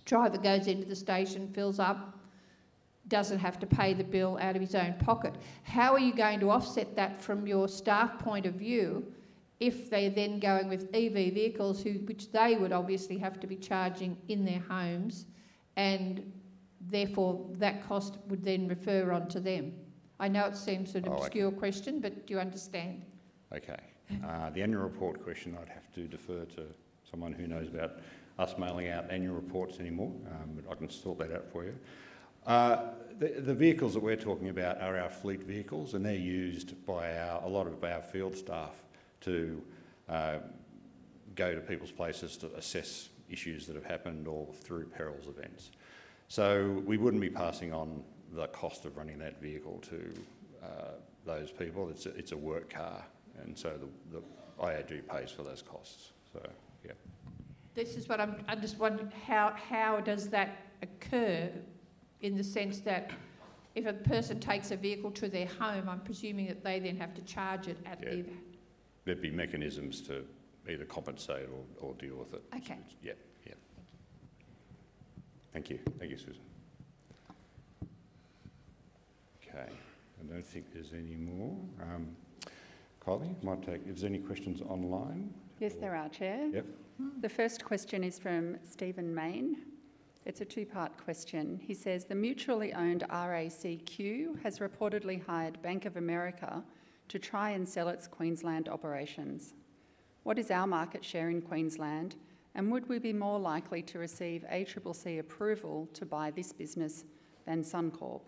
Driver goes into the station, fills up, doesn't have to pay the bill out of his own pocket. How are you going to offset that from your staff point of view, if they're then going with EV vehicles, who, which they would obviously have to be charging in their homes, and therefore, that cost would then refer on to them? I know it seems an obscure question-
Oh, I-
But do you understand?
Okay. The Annual Report question, I'd have to defer to someone who knows about us mailing out Annual Reports anymore. But I can sort that out for you. The vehicles that we're talking about are our fleet vehicles, and they're used by a lot of our field staff to go to people's places to assess issues that have happened or through perils events. So we wouldn't be passing on the cost of running that vehicle to those people. It's a work car, and so the IAG pays for those costs. So, yeah.
I'm just wondering how that occurs in the sense that if a person takes a vehicle to their home, I'm presuming that they then have to charge it at their-
Yeah. There'd be mechanisms to either compensate or deal with it.
Okay.
Yeah. Yeah.
Thank you.
Thank you. Thank you, Susan. Okay, I don't think there's any more. Kylie, is there any questions online?
Yes, there are, Chair.
Yep.
The first question is from Stephen Mayne. It's a two-part question. He says: "The mutually owned RACQ has reportedly hired Bank of America to try and sell its Queensland operations. What is our market share in Queensland, and would we be more likely to receive ACCC approval to buy this business than Suncorp?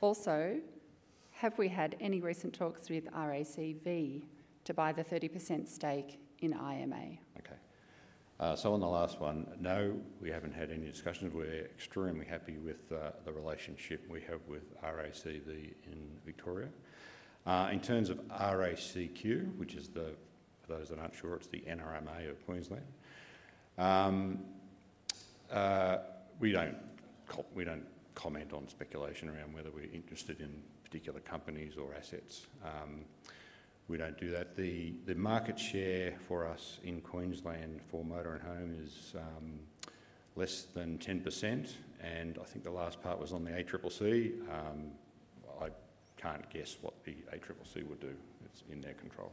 Also, have we had any recent talks with RACV to buy the 30% stake in IMA?
Okay. So on the last one, no, we haven't had any discussions. We're extremely happy with the relationship we have with RACV in Victoria. In terms of RACQ, which is the, for those that aren't sure, it's the NRMA of Queensland. We don't comment on speculation around whether we're interested in particular companies or assets. We don't do that. The market share for us in Queensland for motor and home is less than 10%, and I think the last part was on the ACCC. I can't guess what the ACCC would do. It's in their control.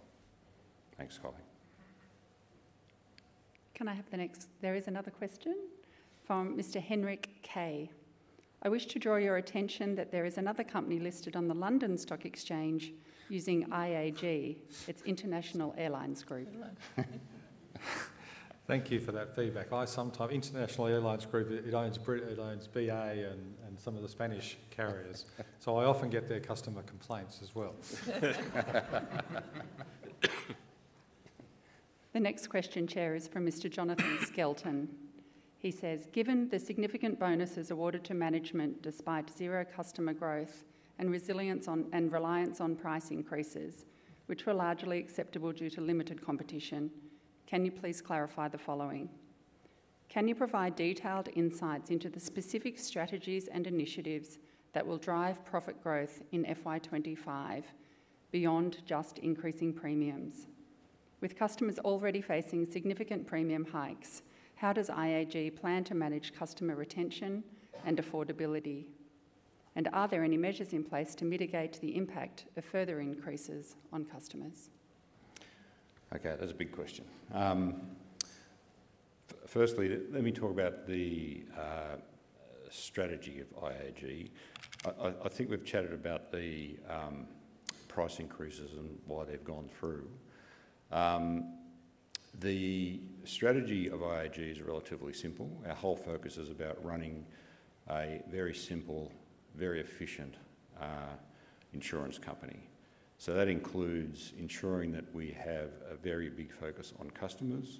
Thanks, Kylie.
There is another question from Mr. Henrik K: "I wish to draw your attention that there is another company listed on the London Stock Exchange using IAG. It's International Airlines Group.
Thank you for that feedback. I sometimes, International Airlines Group, it owns Iberia, it owns BA and some of the Spanish carriers. So I often get their customer complaints as well.
The next question, Chair, is from Mr. Jonathan Skelton. He says: "Given the significant bonuses awarded to management despite zero customer growth and resilience on, and reliance on price increases, which were largely acceptable due to limited competition, can you please clarify the following: Can you provide detailed insights into the specific strategies and initiatives that will drive profit growth in FY 2025, beyond just increasing premiums? With customers already facing significant premium hikes, how does IAG plan to manage customer retention and affordability? And are there any measures in place to mitigate the impact of further increases on customers?
Okay, that's a big question. Firstly, let me talk about the strategy of IAG. I think we've chatted about the price increases and why they've gone through. The strategy of IAG is relatively simple. Our whole focus is about running a very simple, very efficient insurance company. So that includes ensuring that we have a very big focus on customers,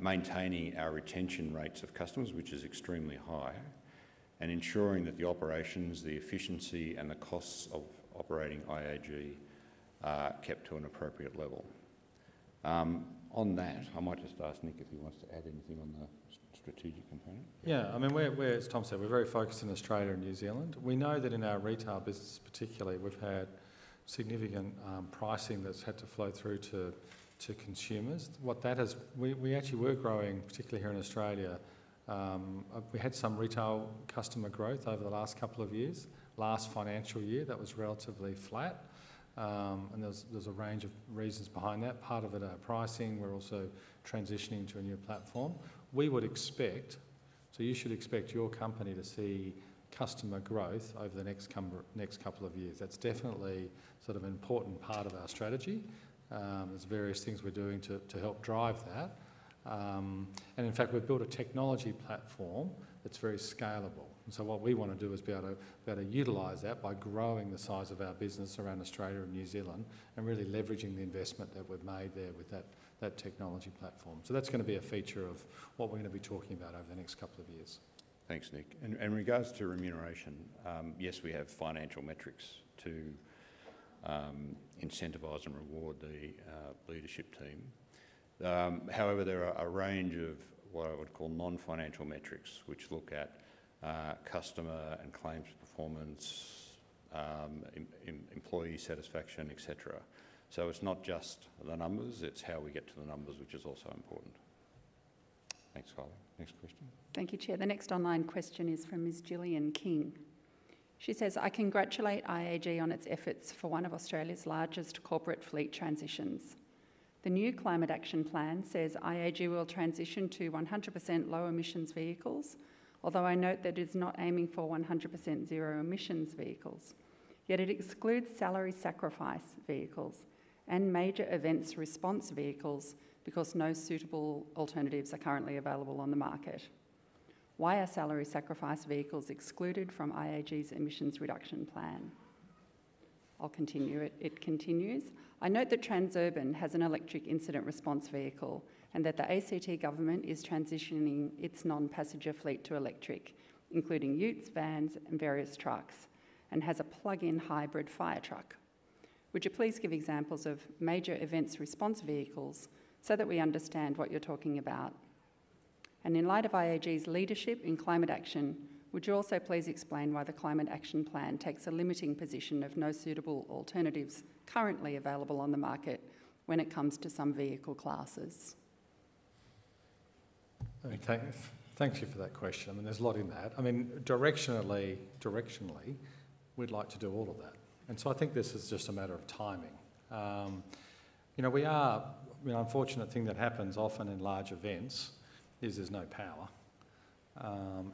maintaining our retention rates of customers, which is extremely high, and ensuring that the operations, the efficiency, and the costs of operating IAG are kept to an appropriate level. On that, I might just ask Nick if he wants to add anything on the strategic component.
Yeah. I mean, we're, as Tom said, we're very focused on Australia and New Zealand. We know that in our retail business particularly, we've had significant pricing that's had to flow through to consumers. What that has... We actually were growing, particularly here in Australia. We had some retail customer growth over the last couple of years. Last financial year, that was relatively flat, and there's a range of reasons behind that. Part of it are pricing. We're also transitioning to a new platform. We would expect, so you should expect your company to see customer growth over the next couple of years. That's definitely sort of an important part of our strategy. There's various things we're doing to help drive that. And in fact, we've built a technology platform that's very scalable, and so what we want to do is be able to better utilize that by growing the size of our business around Australia and New Zealand and really leveraging the investment that we've made there with that, that technology platform. So that's going to be a feature of what we're going to be talking about over the next couple of years.
Thanks, Nick. And in regards to remuneration, yes, we have financial metrics to incentivize and reward the leadership team. However, there are a range of what I would call non-financial metrics, which look at customer and claims performance, employee satisfaction, et cetera. So it's not just the numbers, it's how we get to the numbers, which is also important. Thanks, Kylie. Next question.
Thank you, Chair. The next online question is from Ms. Gillian King. She says: "I congratulate IAG on its efforts for one of Australia's largest corporate fleet transitions. The new Climate Action Plan says IAG will transition to 100% low emissions vehicles, although I note that it's not aiming for 100% zero emissions vehicles. Yet it excludes salary sacrifice vehicles and major events response vehicles because no suitable alternatives are currently available on the market. Why are salary sacrifice vehicles excluded from IAG's emissions reduction plan?" I'll continue it. It continues: "I note that Transurban has an electric incident response vehicle and that the ACT Government is transitioning its non-passenger fleet to electric, including utes, vans, and various trucks, and has a plug-in hybrid fire truck. Would you please give examples of major events response vehicles so that we understand what you're talking about? In light of IAG's leadership in climate action, would you also please explain why the Climate Action Plan takes a limiting position of no suitable alternatives currently available on the market when it comes to some vehicle classes?
Let me thank you for that question. I mean, there's a lot in that. I mean, directionally, we'd like to do all of that, and so I think this is just a matter of timing. You know, we are. You know, an unfortunate thing that happens often in large events is there's no power,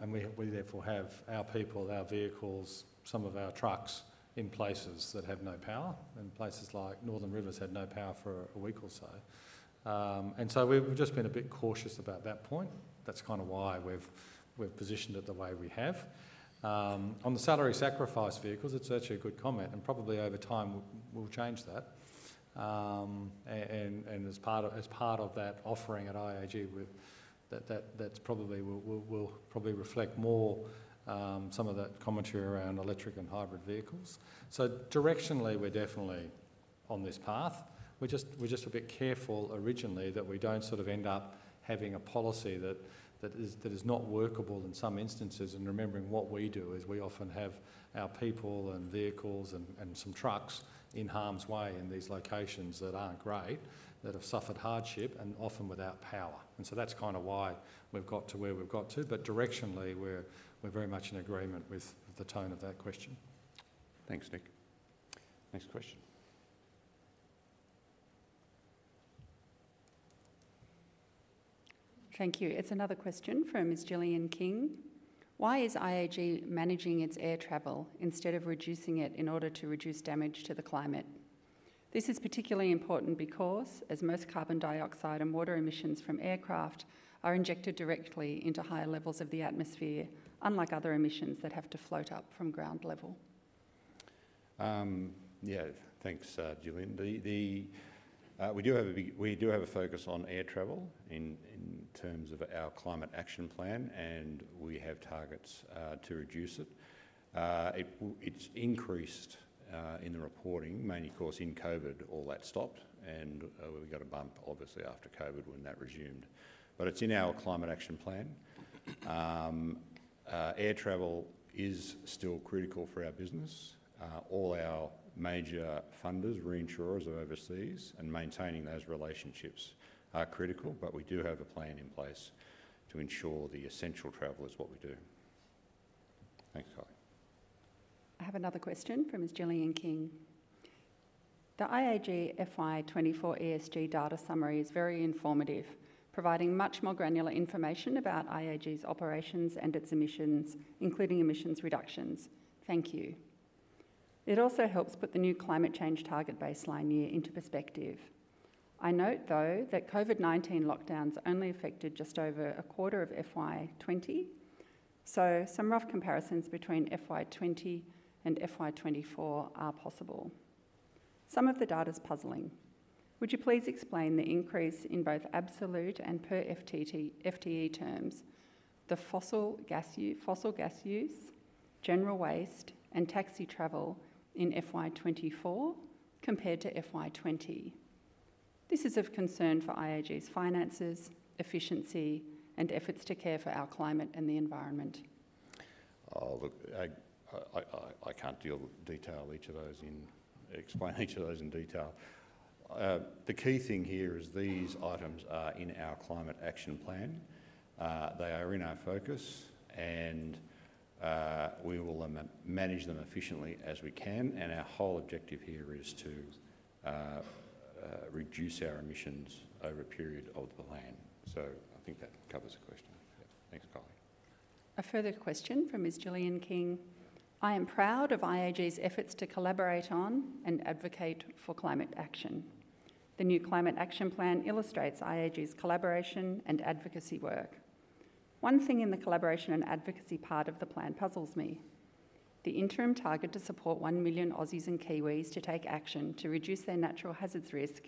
and we therefore have our people, our vehicles, some of our trucks in places that have no power, and places like Northern Rivers had no power for a week or so. And so we've just been a bit cautious about that point. That's kind of why we've positioned it the way we have. On the salary sacrifice vehicles, it's actually a good comment, and probably over time, we'll change that. As part of that offering at IAG, that's probably we'll probably reflect more some of that commentary around electric and hybrid vehicles, so directionally, we're definitely on this path. We're just a bit careful originally that we don't sort of end up having a policy that is not workable in some instances. Remembering what we do is we often have our people and vehicles and some trucks in harm's way in these locations that aren't great, that have suffered hardship and often without power, and so that's kind of why we've got to where we've got to, but directionally, we're very much in agreement with the tone of that question.
Thanks, Nick. Next question.
Thank you. It's another question from Ms. Gillian King: Why is IAG managing its air travel instead of reducing it in order to reduce damage to the climate? This is particularly important because as most carbon dioxide and water emissions from aircraft are injected directly into higher levels of the atmosphere, unlike other emissions that have to float up from ground level.
Yeah. Thanks, Gillian. We do have a focus on air travel in terms of our Climate Action Plan, and we have targets to reduce it. It's increased in the reporting. Mainly, of course, in COVID, all that stopped, and we got a bump obviously after COVID when that resumed, but it's in our Climate Action Plan. Air travel is still critical for our business. All our major funders, reinsurers are overseas, and maintaining those relationships are critical, but we do have a plan in place to ensure the essential travel is what we do. Thanks, Kylie.
I have another question from Ms. Gillian King: The IAG FY 2024 ESG Data Summary is very informative, providing much more granular information about IAG's operations and its emissions, including emissions reductions. Thank you. It also helps put the new climate change target baseline year into perspective. I note, though, that COVID-19 lockdowns only affected just over a quarter of FY 2020, so some rough comparisons between FY 2020 and FY 2024 are possible. Some of the data's puzzling. Would you please explain the increase in both absolute and per FTE terms, the fossil gas use, general waste, and taxi travel in FY 2024 compared to FY 2020? This is of concern for IAG's finances, efficiency, and efforts to care for our climate and the environment.
Oh, look, I can't deal with the detail each of those in... explain each of those in detail. The key thing here is these items are in our Climate Action Plan. They are in our focus, and we will manage them efficiently as we can, and our whole objective here is to reduce our emissions over a period of the plan. So I think that covers the question. Thanks, Kylie.
A further question from Ms. Gillian King: I am proud of IAG's efforts to collaborate on and advocate for climate action. The new Climate Action Plan illustrates IAG's collaboration and advocacy work. One thing in the collaboration and advocacy part of the plan puzzles me. The interim target to support one million Aussies and Kiwis to take action to reduce their natural hazards risk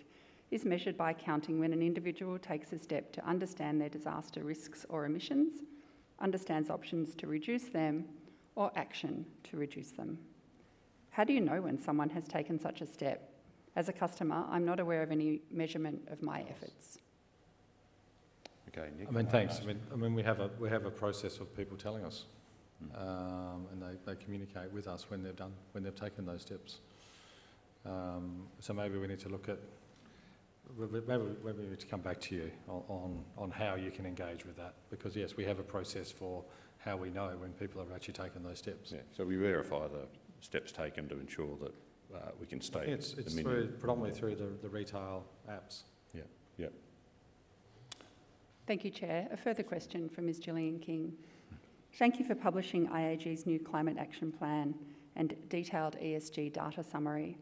is measured by counting when an individual takes a step to understand their disaster risks or emissions, understands options to reduce them, or action to reduce them. How do you know when someone has taken such a step? As a customer, I'm not aware of any measurement of my efforts.
Okay, Nick.
I mean, thanks. We have a process of people telling us.
Mm.
And they communicate with us when they've done... when they've taken those steps. So maybe we need to come back to you on how you can engage with that, because yes, we have a process for how we know when people have actually taken those steps.
Yeah. So we verify the steps taken to ensure that we can state the minimum-
It's through, predominantly through the retail apps.
Yeah. Yeah.
Thank you, Chair. A further question from Ms. Gillian King.
Mm.
Thank you for publishing IAG's new Climate Action Plan and detailed ESG Data Summary.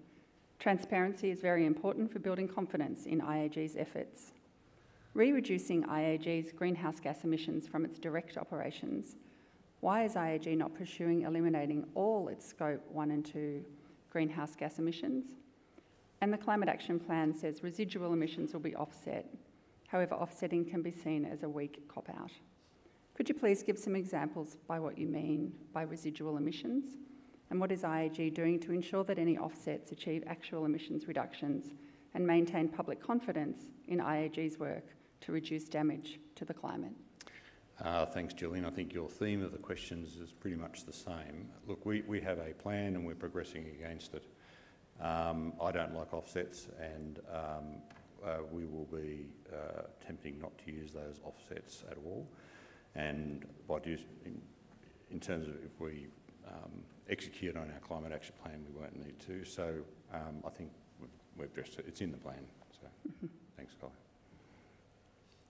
Transparency is very important for building confidence in IAG's efforts. Regarding reducing IAG's greenhouse gas emissions from its direct operations, why is IAG not pursuing eliminating all its Scope 1 and 2 greenhouse gas emissions? And the Climate Action Plan says residual emissions will be offset. However, offsetting can be seen as a weak cop-out. Could you please give some examples of what you mean by residual emissions, and what is IAG doing to ensure that any offsets achieve actual emissions reductions and maintain public confidence in IAG's work to reduce damage to the climate?
Thanks, Gillian. I think your theme of the questions is pretty much the same. Look, we have a plan, and we're progressing against it. I don't like offsets, and we will be attempting not to use those offsets at all. And in terms of if we execute on our Climate Action Plan, we won't need to. So, I think we've addressed it. It's in the plan. So-
Mm-hmm.
Thanks, Kylie.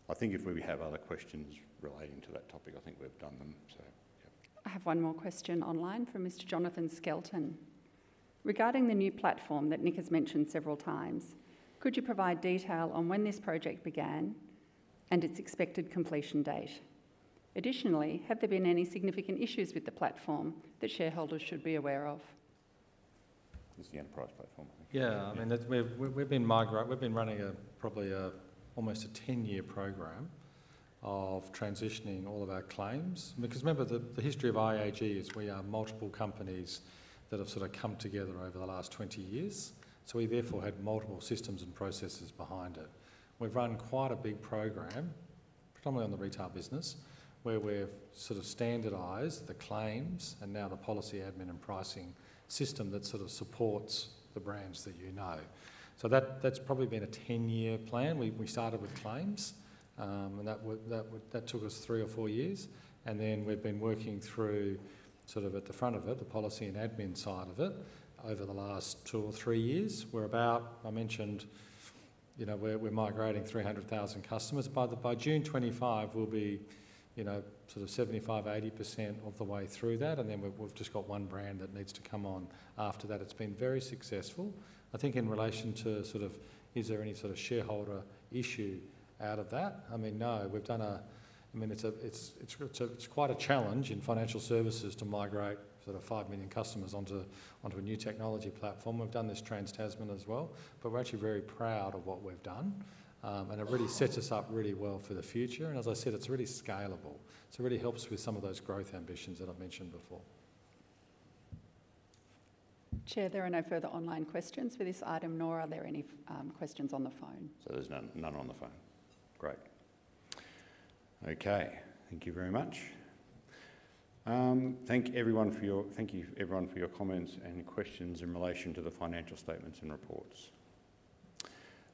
I think if we have other questions relating to that topic, I think we've done them, so yeah.
I have one more question online from Mr. Jonathan Skelton: Regarding the new platform that Nick has mentioned several times, could you provide detail on when this project began and its expected completion date? Additionally, have there been any significant issues with the platform that shareholders should be aware of?
This is the Enterprise Platform, I think.
Yeah.
Yeah.
I mean, that's. We've been running probably almost a ten-year program of transitioning all of our claims. Because remember, the history of IAG is we are multiple companies that have sort of come together over the last twenty years, so we therefore had multiple systems and processes behind it. We've run quite a big program, predominantly on the retail business, where we've sort of standardized the claims and now the policy, admin, and pricing system that sort of supports the brands that you know. So that's probably been a ten-year plan. We started with claims, and that took us three or four years, and then we've been working through sort of at the front of it, the policy and admin side of it, over the last two or three years. We're about. I mentioned, you know, we're migrating 300,000 customers. By June 2025, we'll be, you know, sort of 75%-80% of the way through that, and then we've just got one brand that needs to come on after that. It's been very successful. I think in relation to sort of is there any sort of shareholder issue out of that, I mean, no. I mean, it's quite a challenge in financial services to migrate sort of 5 million customers onto a new technology platform. We've done this trans-Tasman as well, but we're actually very proud of what we've done. And it really sets us up really well for the future, and as I said, it's really scalable, so it really helps with some of those growth ambitions that I've mentioned before.
Chair, there are no further online questions for this item, nor are there any, questions on the phone.
So there's none on the phone. Great. Okay, thank you very much. Thank you, everyone, for your comments and questions in relation to the financial statements and reports.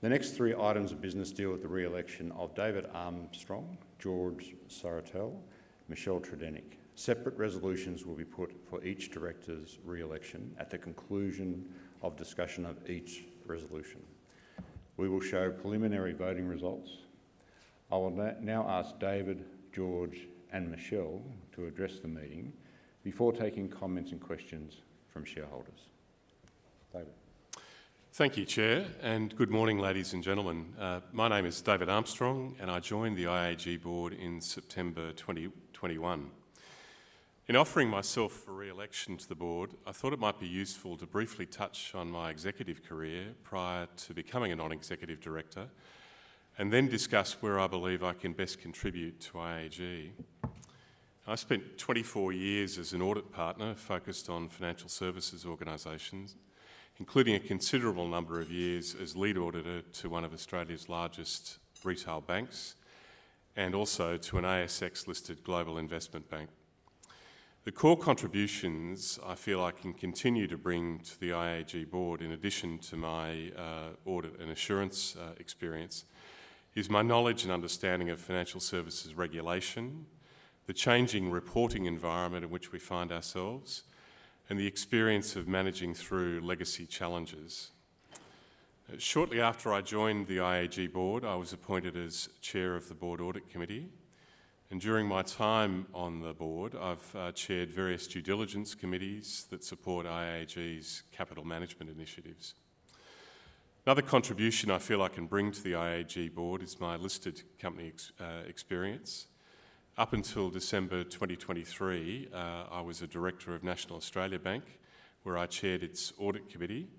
The next three items of business deal with the re-election of David Armstrong, George Sartorel, Michelle Tredenick. Separate resolutions will be put for each director's re-election at the conclusion of discussion of each resolution. We will show preliminary voting results. I will now ask David, George, and Michelle to address the meeting before taking comments and questions from shareholders. David.
Thank you, Chair, and good morning, ladies and gentlemen. My name is David Armstrong, and I joined the IAG board in September 2021. In offering myself for re-election to the board, I thought it might be useful to briefly touch on my executive career prior to becoming a non-executive director and then discuss where I believe I can best contribute to IAG. I spent 24 years as an audit partner focused on financial services organizations, including a considerable number of years as lead auditor to one of Australia's largest retail banks and also to an ASX-listed global investment bank. The core contributions I feel I can continue to bring to the IAG board, in addition to my audit and assurance experience, is my knowledge and understanding of financial services regulation, the changing reporting environment in which we find ourselves, and the experience of managing through legacy challenges. Shortly after I joined the IAG board, I was appointed as chair of the Board Audit Committee, and during my time on the board, I've chaired various due diligence committees that support IAG's capital management initiatives. Another contribution I feel I can bring to the IAG board is my listed company experience. Up until December twenty twenty-three, I was a director of National Australia Bank, where I chaired its audit committee,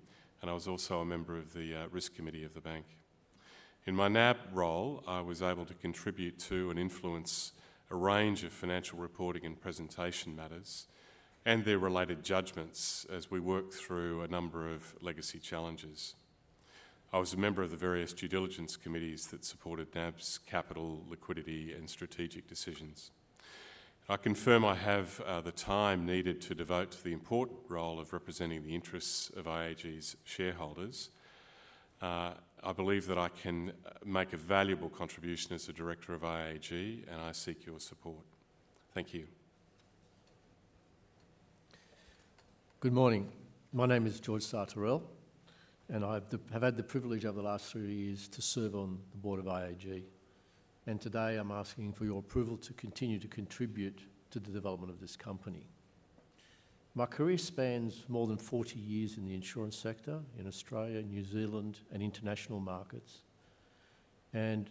and I was also a member of the risk committee of the bank. In my NAB role, I was able to contribute to and influence a range of financial reporting and presentation matters and their related judgments as we worked through a number of legacy challenges. I was a member of the various due diligence committees that supported NAB's capital, liquidity, and strategic decisions. I confirm I have the time needed to devote to the important role of representing the interests of IAG's shareholders. I believe that I can make a valuable contribution as a director of IAG, and I seek your support. Thank you.
Good morning. My name is George Sartorel, and I have had the privilege over the last three years to serve on the board of IAG. Today, I'm asking for your approval to continue to contribute to the development of this company. My career spans more than 40 years in the insurance sector in Australia, New Zealand, and international markets, and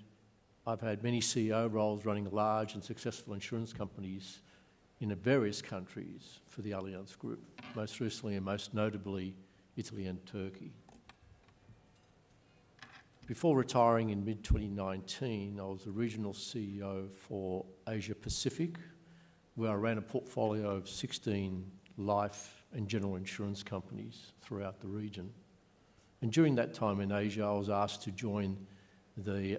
I've had many CEO roles running large and successful insurance companies in various countries for the Allianz Group, most recently and most notably, Italy and Turkey. Before retiring in mid-2019, I was the regional CEO for Asia Pacific, where I ran a portfolio of 16 life and general insurance companies throughout the region. During that time in Asia, I was asked to join the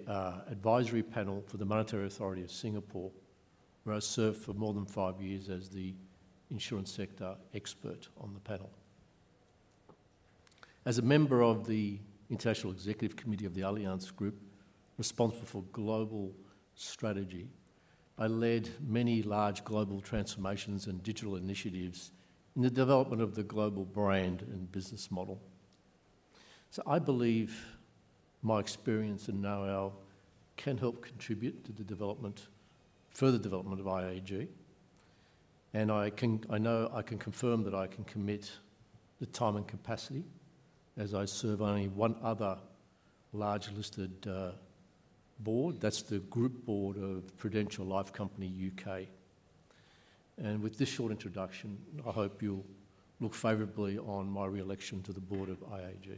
advisory panel for the Monetary Authority of Singapore, where I served for more than five years as the insurance sector expert on the panel. As a member of the International Executive Committee of the Allianz Group, responsible for global strategy, I led many large global transformations and digital initiatives in the development of the global brand and business model. I believe my experience and know-how can help contribute to the development, further development of IAG, and I can... I know, I can confirm that I can commit the time and capacity as I serve only one other large listed board. That's the group board of Prudential Life Company, U.K. With this short introduction, I hope you'll look favorably on my re-election to the board of IAG.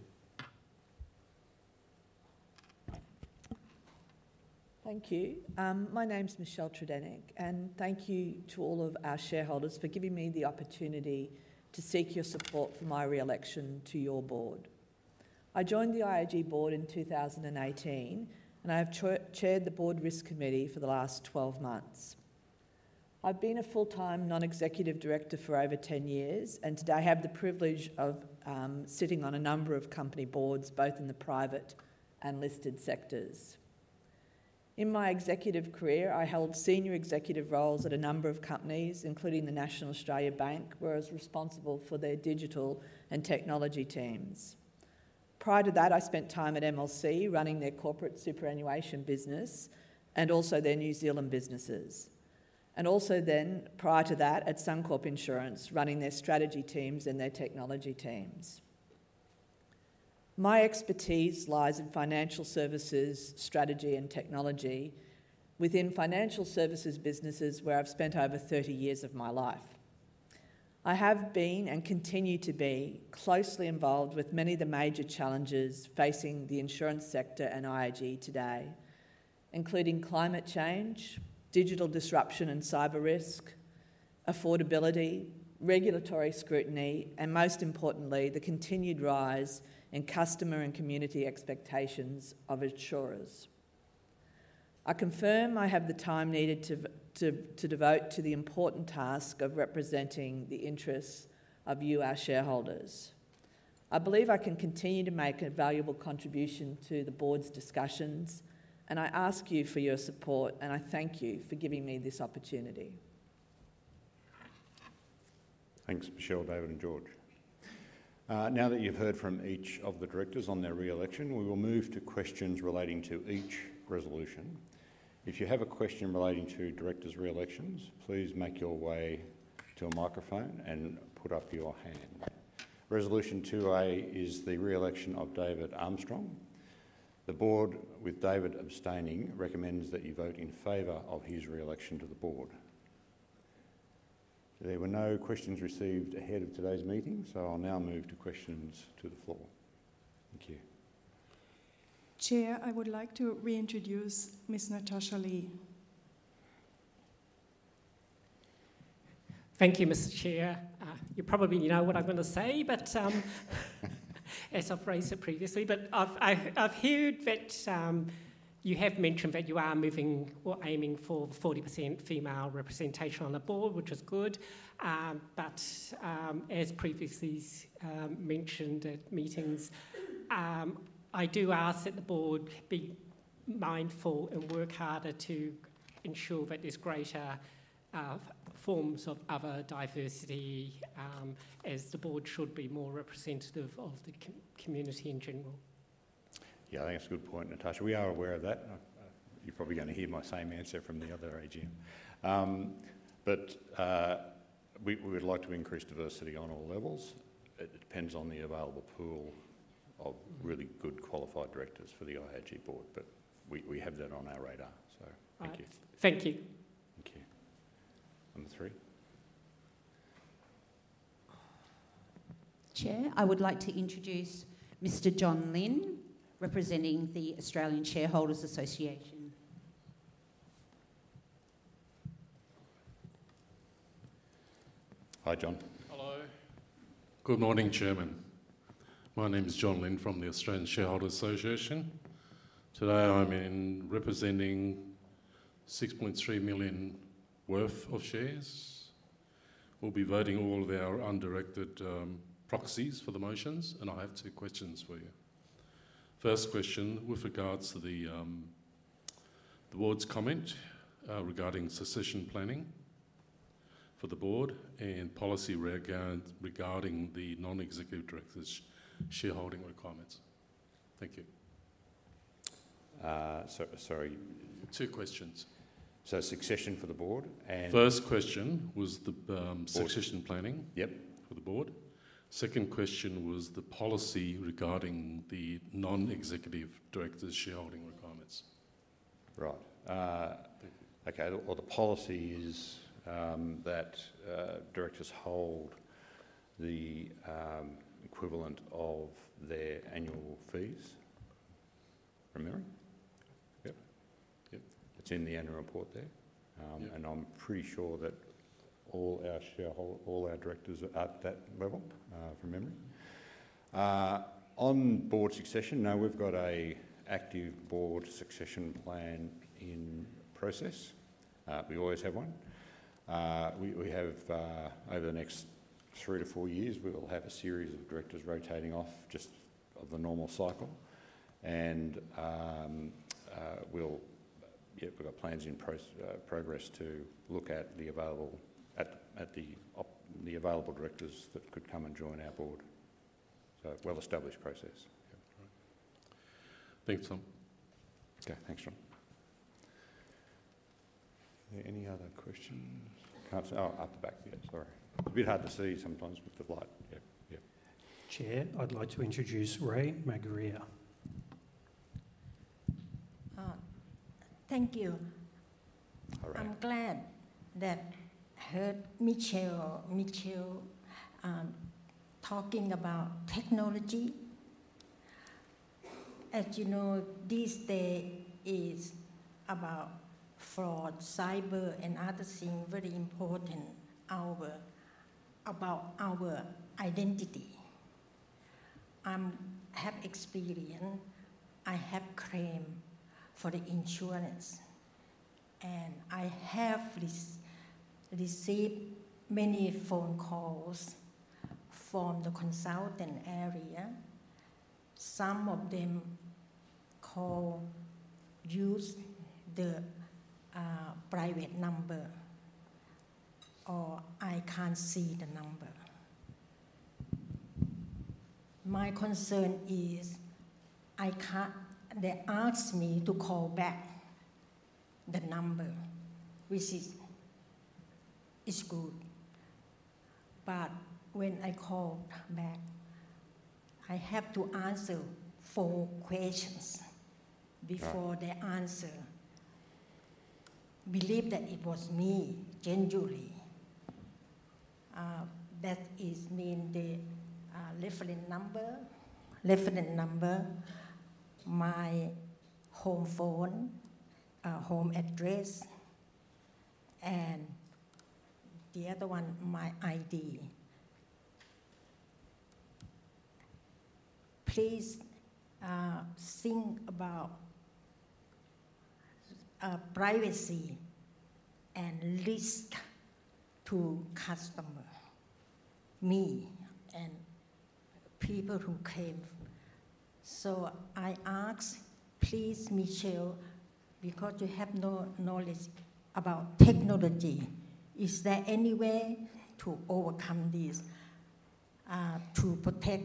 Thank you. My name's Michelle Tredenick, and thank you to all of our shareholders for giving me the opportunity to seek your support for my re-election to your board. I joined the IAG board in twenty eighteen, and I have chaired the Board Risk Committee for the last 12 months. I've been a full-time non-executive director for over 10 years, and today I have the privilege of sitting on a number of company boards, both in the private and listed sectors. In my executive career, I held senior executive roles at a number of companies, including the National Australia Bank, where I was responsible for their digital and technology teams. Prior to that, I spent time at MLC, running their corporate superannuation business and also their New Zealand businesses, and also then, prior to that, at Suncorp Insurance, running their strategy teams and their technology teams. My expertise lies in financial services, strategy, and technology within financial services businesses, where I've spent over thirty years of my life. I have been, and continue to be, closely involved with many of the major challenges facing the insurance sector and IAG today, including climate change, digital disruption and cyber risk, affordability, regulatory scrutiny, and most importantly, the continued rise in customer and community expectations of insurers. I confirm I have the time needed to devote to the important task of representing the interests of you, our shareholders. I believe I can continue to make a valuable contribution to the board's discussions, and I ask you for your support, and I thank you for giving me this opportunity.
Thanks, Michelle, David, and George. Now that you've heard from each of the directors on their re-election, we will move to questions relating to each resolution. If you have a question relating to directors' re-elections, please make your way to a microphone and put up your hand. Resolution two A is the re-election of David Armstrong. The board, with David abstaining, recommends that you vote in favor of his re-election to the board. There were no questions received ahead of today's meeting, so I'll now move to questions to the floor. Thank you.
Chair, I would like to reintroduce Ms. Natasha Lee.
Thank you, Mr. Chair. You probably know what I'm gonna say, but as I've raised it previously, but I've heard that you have mentioned that you are moving or aiming for 40% female representation on the board, which is good. But as previously mentioned at meetings, I do ask that the board be mindful and work harder to ensure that there's greater forms of other diversity, as the board should be more representative of the community in general?
Yeah, I think that's a good point, Natasha. We are aware of that. You're probably gonna hear my same answer from the other AGM, but we would like to increase diversity on all levels. It depends on the available pool of really good qualified directors for the IAG board, but we have that on our radar, so thank you.
All right. Thank you.
Thank you. Number three?
Chair, I would like to introduce Mr. John Lynn, representing the Australian Shareholders' Association.
Hi, John.
Hello. Good morning, Chairman. My name is John Lynn from the Australian Shareholders' Association. Today, I'm in representing 6.3 million worth of shares. We'll be voting all of our undirected proxies for the motions, and I have two questions for you. First question, with regards to the board's comment regarding succession planning for the board, and policy regarding the non-executive directors' shareholding requirements. Thank you.
So sorry.
Two questions.
So succession for the board and-
First question was the.
Board
Succession planning-
Yep
For the board. Second question was the policy regarding the non-executive directors' shareholding requirements.
Right. Okay, well, the policy is that directors hold the equivalent of their annual fees, from memory.
Yep. Yep.
It's in the Annual Report there.
Yep.
And I'm pretty sure that all our directors are at that level, from memory. On board succession, now we've got a active board succession plan in process. We always have one. We have over the next three-to-four years, we will have a series of directors rotating off, just of the normal cycle, and we'll, yeah, we've got plans in progress to look at the available directors that could come and join our board. So a well-established process.
Yep. All right. Thanks, Tom.
Okay, thanks, John. Are there any other questions? At the back Wthere, sorry. It's a bit hard to see sometimes with the light. Yep, yep.
Chair, I'd like to introduce Ray Magro.
Thank you.
Hi, Ray.
I'm glad that I heard Michelle talking about technology. As you know, this day is about fraud, cyber, and other things very important our, about our identity. I have experience, I have claimed for the insurance, and I have received many phone calls from the consultant area. Some of them call, use the private number, or I can't see the number. My concern is, I can't-- They ask me to call back the number, which is good. But when I call back, I have to answer four questions-
Right
Before they answer, believe that it was me, genuinely. That is, I mean the reference number, my home phone, home address, and the other one, my ID. Please, think about privacy and risk to customer, me and people who claim. So I ask, please, Michelle, because you have more knowledge about technology, is there any way to overcome this, to protect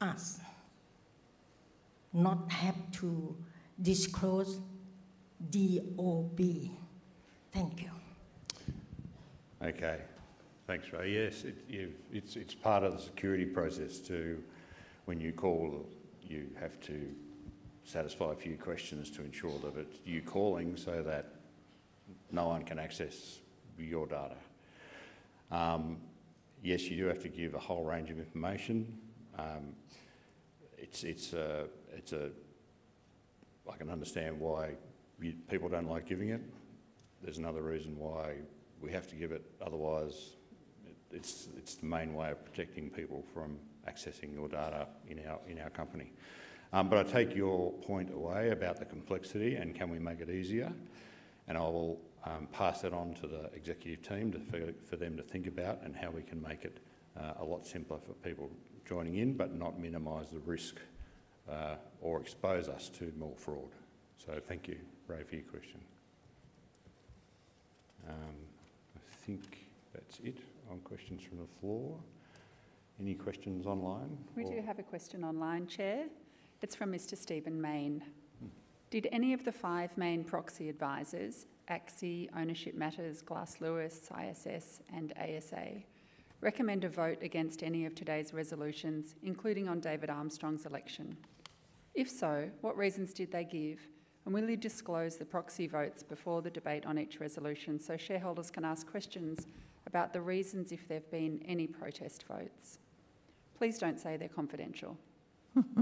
us, not have to disclose DOB? Thank you.
Okay. Thanks, Ray. Yes, it's part of the security process to, when you call, you have to satisfy a few questions to ensure that it's you calling, so that no one can access your data. Yes, you do have to give a whole range of information. It's a... I can understand why you people don't like giving it. There's another reason why we have to give it, otherwise, it's the main way of protecting people from accessing your data in our company. But I take your point about the complexity, and can we make it easier? And I will pass that on to the executive team for them to think about and how we can make it a lot simpler for people joining in, but not minimize the risk or expose us to more fraud. So thank you, Ray, for your question. I think that's it on questions from the floor. Any questions online?
We do have a question online, Chair. It's from Mr. Stephen Mayne. "Did any of the five main proxy advisors, ACSI, Ownership Matters, Glass Lewis, ISS, and ASA, recommend a vote against any of today's resolutions, including on David Armstrong's election? If so, what reasons did they give, and will you disclose the proxy votes before the debate on each resolution, so shareholders can ask questions about the reasons if there have been any protest votes? Please don't say they're confidential.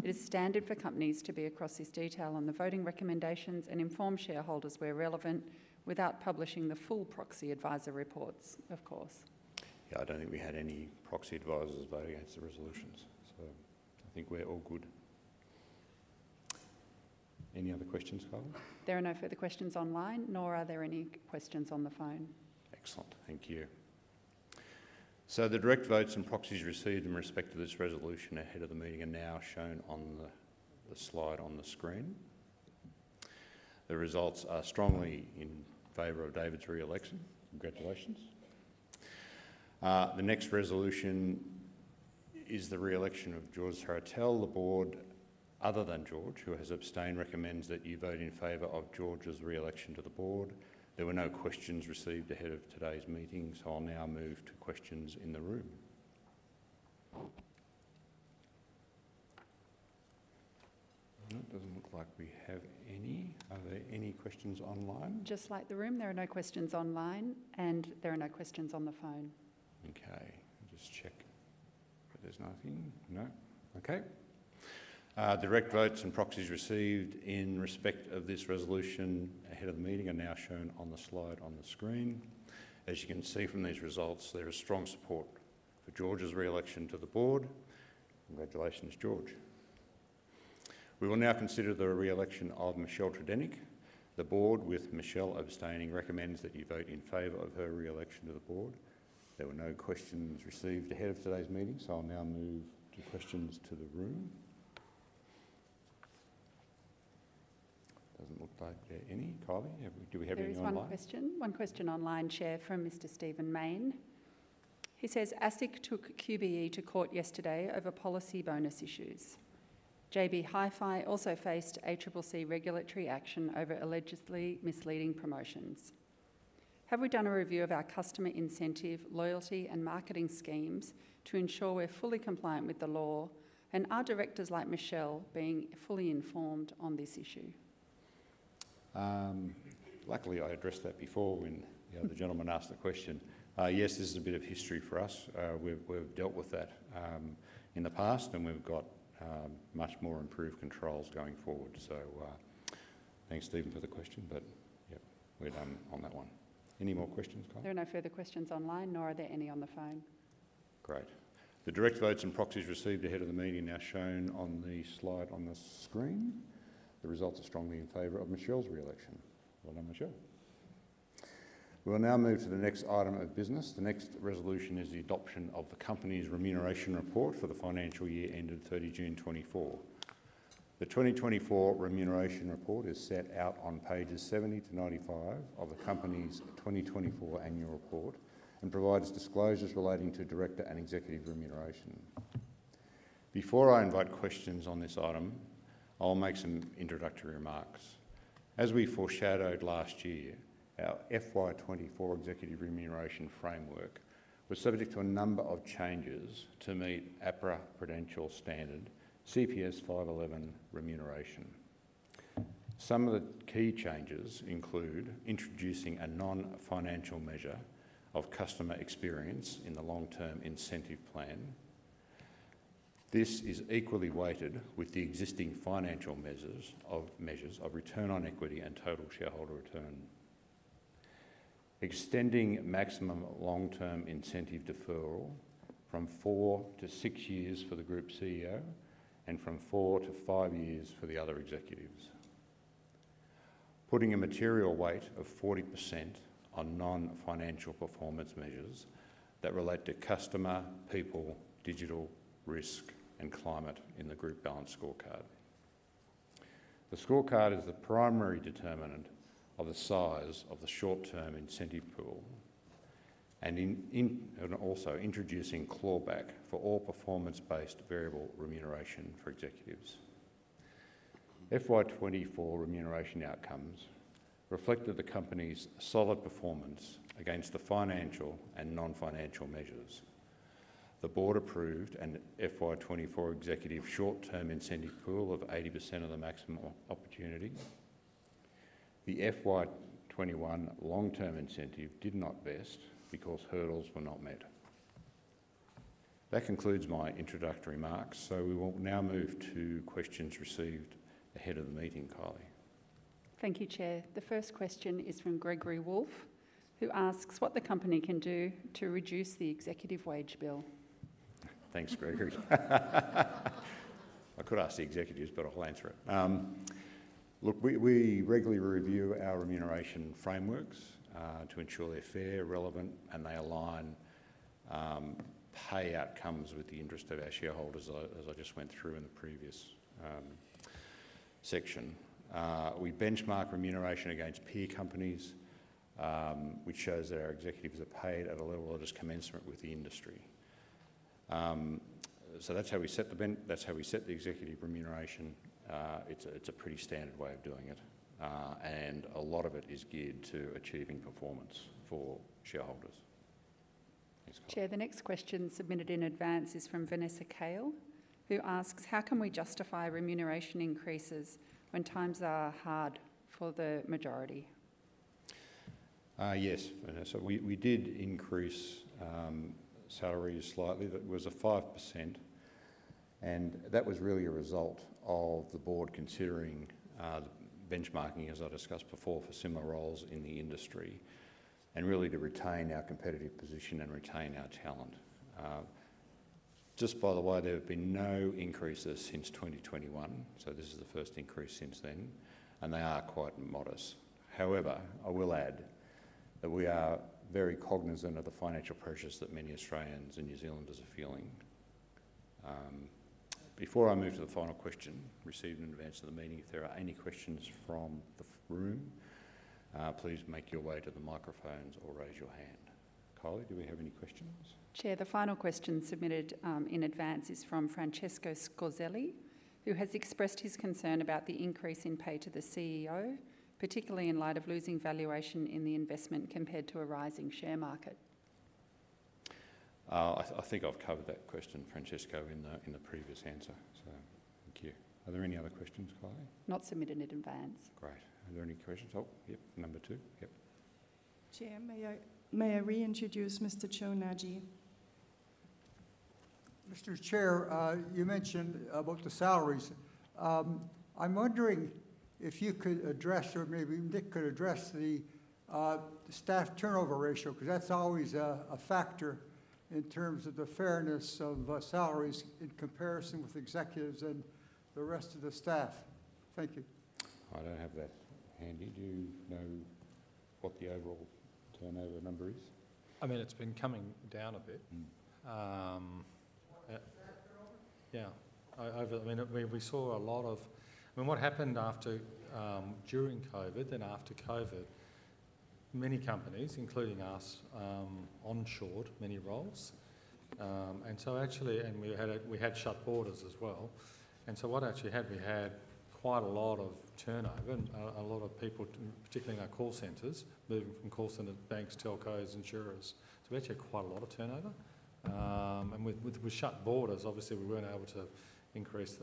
It is standard for companies to be across this detail on the voting recommendations and inform shareholders where relevant, without publishing the full proxy advisor reports, of course.
Yeah, I don't think we had any proxy advisors vote against the resolutions, so I think we're all good. Any other questions, Kylie?
There are no further questions online, nor are there any questions on the phone.
Excellent. Thank you. So the direct votes and proxies received in respect to this resolution ahead of the meeting are now shown on the slide on the screen. The results are strongly in favor of David's re-election. Congratulations. The next resolution is the re-election of George Sartorel. The board, other than George, who has abstained, recommends that you vote in favor of George's re-election to the board. There were no questions received ahead of today's meeting, so I'll now move to questions in the room. It doesn't look like we have any. Are there any questions online?
Just like the room, there are no questions online, and there are no questions on the phone.
Okay, I'll just check. But there's nothing. No? Okay. Direct votes and proxies received in respect of this resolution ahead of the meeting are now shown on the slide on the screen. As you can see from these results, there is strong support for George's re-election to the board. Congratulations, George. We will now consider the re-election of Michelle Tredenick. The board, with Michelle abstaining, recommends that you vote in favor of her re-election to the board. There were no questions received ahead of today's meeting, so I'll now move the questions to the room. Doesn't look like there are any. Kylie, do we have any online?
There is one question. One question online, Chair, from Mr. Stephen Mayne. He says, "ASIC took QBE to court yesterday over policy bonus issues. JB Hi-Fi also faced ACCC regulatory action over allegedly misleading promotions. Have we done a review of our customer incentive, loyalty, and marketing schemes to ensure we're fully compliant with the law, and are directors like Michelle being fully informed on this issue?
Luckily, I addressed that before when, you know, the gentleman asked the question. Yes, this is a bit of history for us. We've dealt with that in the past, and we've got much more improved controls going forward, so thanks, Stephen, for the question, but yeah, we're done on that one. Any more questions, Kylie?
There are no further questions online, nor are there any on the phone.
Great. The direct votes and proxies received ahead of the meeting are now shown on the slide on the screen. The results are strongly in favor of Michelle's re-election. Well done, Michelle. We will now move to the next item of business. The next resolution is the adoption of the company's Remuneration Report for the financial year ending 30 June 2024. The 2024 Remuneration Report is set out on pages 70 to 95 of the company's 2024 Annual Report and provides disclosures relating to director and executive remuneration. Before I invite questions on this item, I'll make some introductory remarks. As we foreshadowed last year, our FY 2024 executive remuneration framework was subject to a number of changes to meet APRA Prudential Standard, CPS 511, Remuneration. Some of the key changes include introducing a non-financial measure of customer experience in the long-term incentive plan. This is equally weighted with the existing financial measures of return on equity and total shareholder return. Extending maximum long-term incentive deferral from four to six years for the Group CEO and from four to five years for the other executives. Putting a material weight of 40% on non-financial performance measures that relate to customer, people, digital, risk, and climate in the group balanced scorecard. The scorecard is the primary determinant of the size of the short-term incentive pool, and also introducing clawback for all performance-based variable remuneration for executives. FY 2024 remuneration outcomes reflected the company's solid performance against the financial and non-financial measures. The Board approved an FY 2024 executive short-term incentive pool of 80% of the maximum opportunity. The FY 2021 long-term incentive did not vest because hurdles were not met. That concludes my introductory remarks, so we will now move to questions received ahead of the meeting, Kylie.
Thank you, Chair. The first question is from Gregory Wolfe, who asks what the company can do to reduce the executive wage bill?
Thanks, Gregory. I could ask the executives, but I'll answer it. Look, we regularly review our remuneration frameworks to ensure they're fair, relevant, and they align pay outcomes with the interest of our shareholders, as I just went through in the previous section. We benchmark remuneration against peer companies, which shows that our executives are paid at a level that is consistent with the industry. So that's how we set the executive remuneration. It's a pretty standard way of doing it, and a lot of it is geared to achieving performance for shareholders. Thanks, Kylie.
Chair, the next question submitted in advance is from Vanessa Cale, who asks: How can we justify remuneration increases when times are hard for the majority?
Yes, Vanessa, we did increase salaries slightly. That was a 5%, and that was really a result of the board considering the benchmarking, as I discussed before, for similar roles in the industry, and really to retain our competitive position and retain our talent. Just by the way, there have been no increases since 2021, so this is the first increase since then, and they are quite modest. However, I will add that we are very cognizant of the financial pressures that many Australians and New Zealanders are feeling. Before I move to the final question received in advance of the meeting, if there are any questions from the room, please make your way to the microphones or raise your hand. Kylie, do we have any questions?
Chair, the final question submitted in advance is from Francesco Scorzelli, who has expressed his concern about the increase in pay to the CEO, particularly in light of losing valuation in the investment compared to a rising share market.
I think I've covered that question, Francesco, in the previous answer, so thank you. Are there any other questions, Kylie?
Not submitted in advance.
Great. Are there any questions? Oh, yep, number two. Yep.
Chair, may I reintroduce Mr. Joe Nagy?
Mr. Chair, you mentioned about the salaries. I'm wondering if you could address, or maybe Nick could address, the staff turnover ratio, 'cause that's always a factor in terms of the fairness of salaries in comparison with executives and the rest of the staff. Thank you.
I don't have that handy. Do you know what the overall turnover number is?
I mean, it's been coming down a bit.
Mm.
Staff turnover?
Yeah. I mean, we saw a lot of—I mean, what happened after during COVID, and after COVID, many companies, including us, onshored many roles. And so actually, and we had shut borders as well. And so what actually happened, we had quite a lot of turnover and a lot of people, particularly in our call centers, moving from call centers, banks, telcos, insurers. So we actually had quite a lot of turnover. And with the shut borders, obviously, we weren't able to increase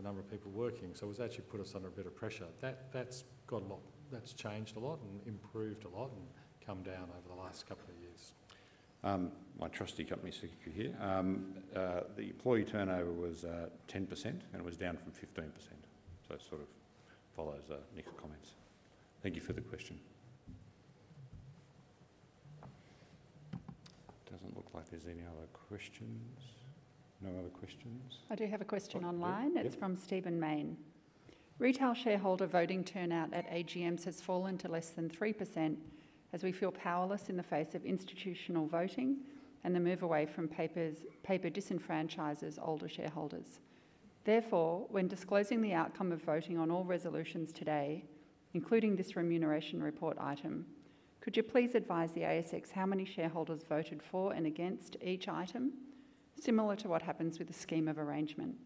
the number of people working, so it was actually put us under a bit of pressure. That's got a lot. That's changed a lot and improved a lot and come down over the last couple of years.
My trusty company secretary here. The employee turnover was 10%, and it was down from 15%, so it sort of follows Nick's comments. Thank you for the question. Doesn't look like there's any other questions. No other questions?
I do have a question online.
Yep, yep.
It's from Stephen Mayne: Retail shareholder voting turnout at AGMs has fallen to less than 3%, as we feel powerless in the face of institutional voting, and the move away from papers, paper disenfranchises older shareholders. Therefore, when disclosing the outcome of voting on all resolutions today, including this Remuneration Report item, could you please advise the ASX how many shareholders voted for and against each item, similar to what happens with a scheme of arrangement?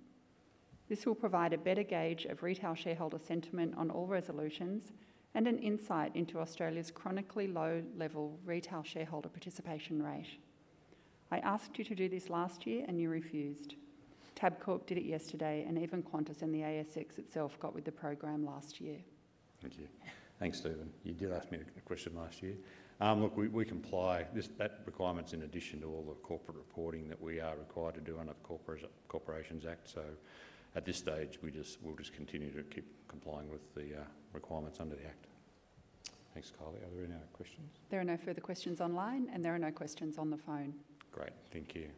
This will provide a better gauge of retail shareholder sentiment on all resolutions and an insight into Australia's chronically low-level retail shareholder participation rate. I asked you to do this last year, and you refused. Tabcorp did it yesterday, and even Qantas and the ASX itself got with the program last year.
Thank you. Thanks, Stephen. You did ask me a question last year. Look, we comply. That requirement's in addition to all the corporate reporting that we are required to do under the Corporations Act, so at this stage, we'll just continue to keep complying with the requirements under the Act. Thanks, Kylie. Are there any other questions?
There are no further questions online, and there are no questions on the phone.
Great, thank you.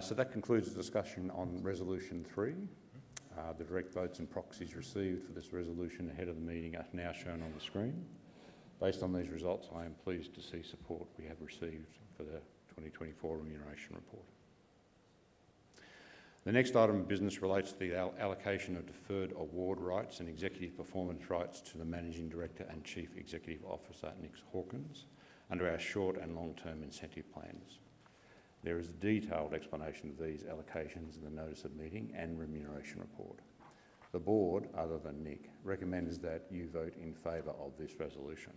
So that concludes the discussion on Resolution Three. The direct votes and proxies received for this resolution ahead of the meeting are now shown on the screen. Based on these results, I am pleased to see support we have received for the 2024 Remuneration Report. The next item of business relates to the allocation of Deferred Award Rights and Executive Performance Rights to the Managing Director and Chief Executive Officer, Nick Hawkins, under our short and long-term incentive plans. There is a detailed explanation of these allocations in the Notice of Meeting and Remuneration Report. The board, other than Nick, recommends that you vote in favor of this resolution.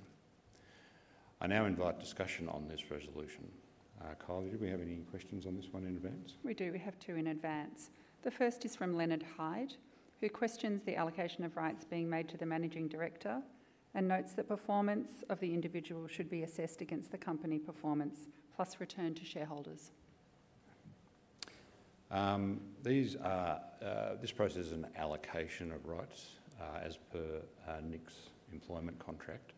I now invite discussion on this resolution. Kylie, do we have any questions on this one in advance?
We do. We have two in advance. The first is from Leonard Hyde, who questions the allocation of rights being made to the Managing Director and notes that performance of the individual should be assessed against the company performance, plus return to shareholders.
This process is an allocation of rights as per Nick's employment contract.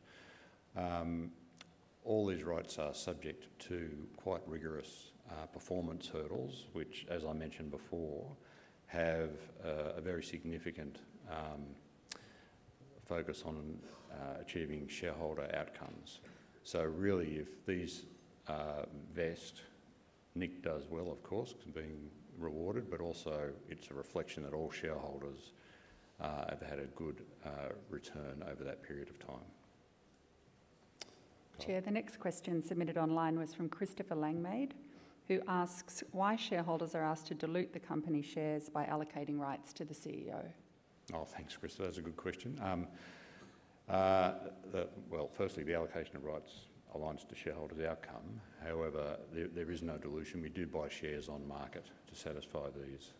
All these rights are subject to quite rigorous performance hurdles, which, as I mentioned before, have a very significant focus on achieving shareholder outcomes. So really, if these vest, Nick does well, of course, being rewarded, but also it's a reflection that all shareholders have had a good return over that period of time.
Chair, the next question submitted online was from Christopher Langmaid, who asks: Why shareholders are asked to dilute the company shares by allocating rights to the CEO?
Oh, thanks, Chris. That's a good question. Well, firstly, the allocation of rights aligns to shareholders' outcome. However, there is no dilution. We do buy shares on market to satisfy these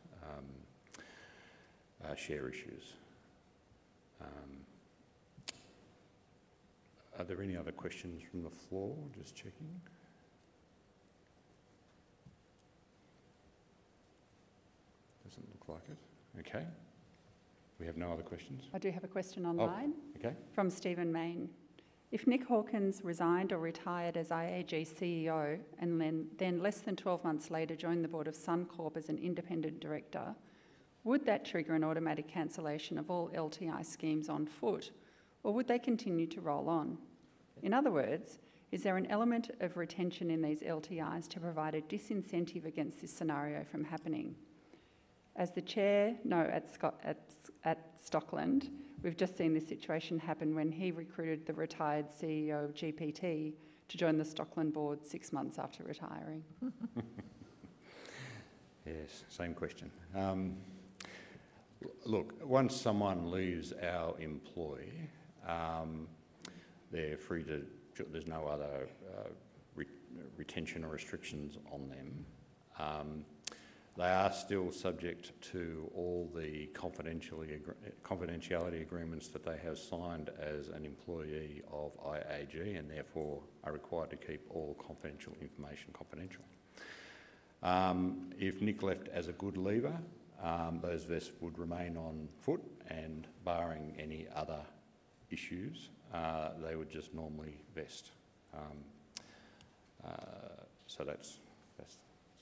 share issues. Are there any other questions from the floor? Just checking. Doesn't look like it. Okay. We have no other questions.
I do have a question online.
Oh, okay.
If Nick Hawkins resigned or retired as IAG CEO, and then less than twelve months later joined the board of Suncorp as an independent director, would that trigger an automatic cancellation of all LTI schemes on foot, or would they continue to roll on? In other words, is there an element of retention in these LTIs to provide a disincentive against this scenario from happening? At Stockland, we've just seen this situation happen when he recruited the retired CEO of GPT to join the Stockland board six months after retiring.
Yes, same question. Look, once someone leaves our employ, they're free to... There's no other retention or restrictions on them. They are still subject to all the confidentiality agreements that they have signed as an employee of IAG, and therefore are required to keep all confidential information confidential. If Nick left as a good leaver, those vests would remain on foot, and barring any other issues, they would just normally vest. So that's, that's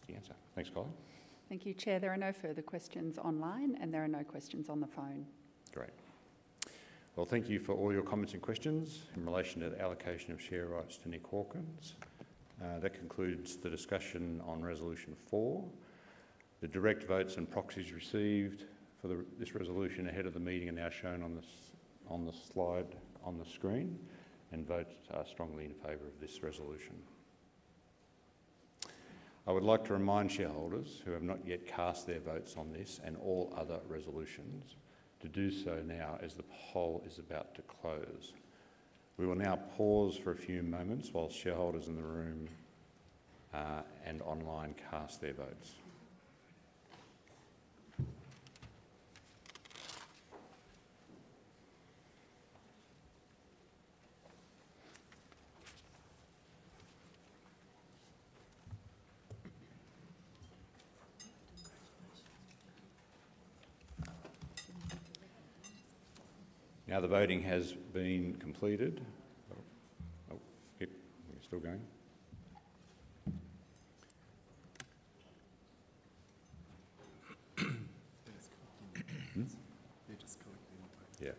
the answer. Thanks, Colin.
Thank you, Chair. There are no further questions online, and there are no questions on the phone.
Great. Well, thank you for all your comments and questions in relation to the allocation of share rights to Nick Hawkins. That concludes the discussion on Resolution Four. The direct votes and proxies received for this resolution ahead of the meeting are now shown on the slide on the screen, and votes are strongly in favor of this resolution. I would like to remind shareholders who have not yet cast their votes on this and all other resolutions to do so now, as the poll is about to close. We will now pause for a few moments while shareholders in the room and online cast their votes. Now, the voting has been completed. Oh, yep, we're still going?
They're just collecting the cards.
Yeah.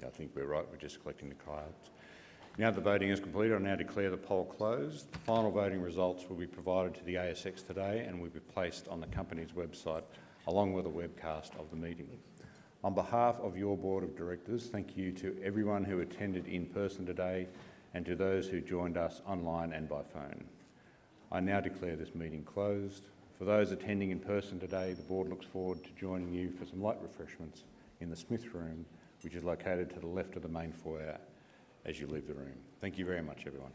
Yeah, I think we're right. We're just collecting the cards. Now, the voting is completed. I now declare the poll closed. The final voting results will be provided to the ASX today and will be placed on the company's website, along with a webcast of the meeting. On behalf of your board of directors, thank you to everyone who attended in person today and to those who joined us online and by phone. I now declare this meeting closed. For those attending in person today, the board looks forward to joining you for some light refreshments in the Smith Room, which is located to the left of the main foyer as you leave the room. Thank yo u very much, everyone.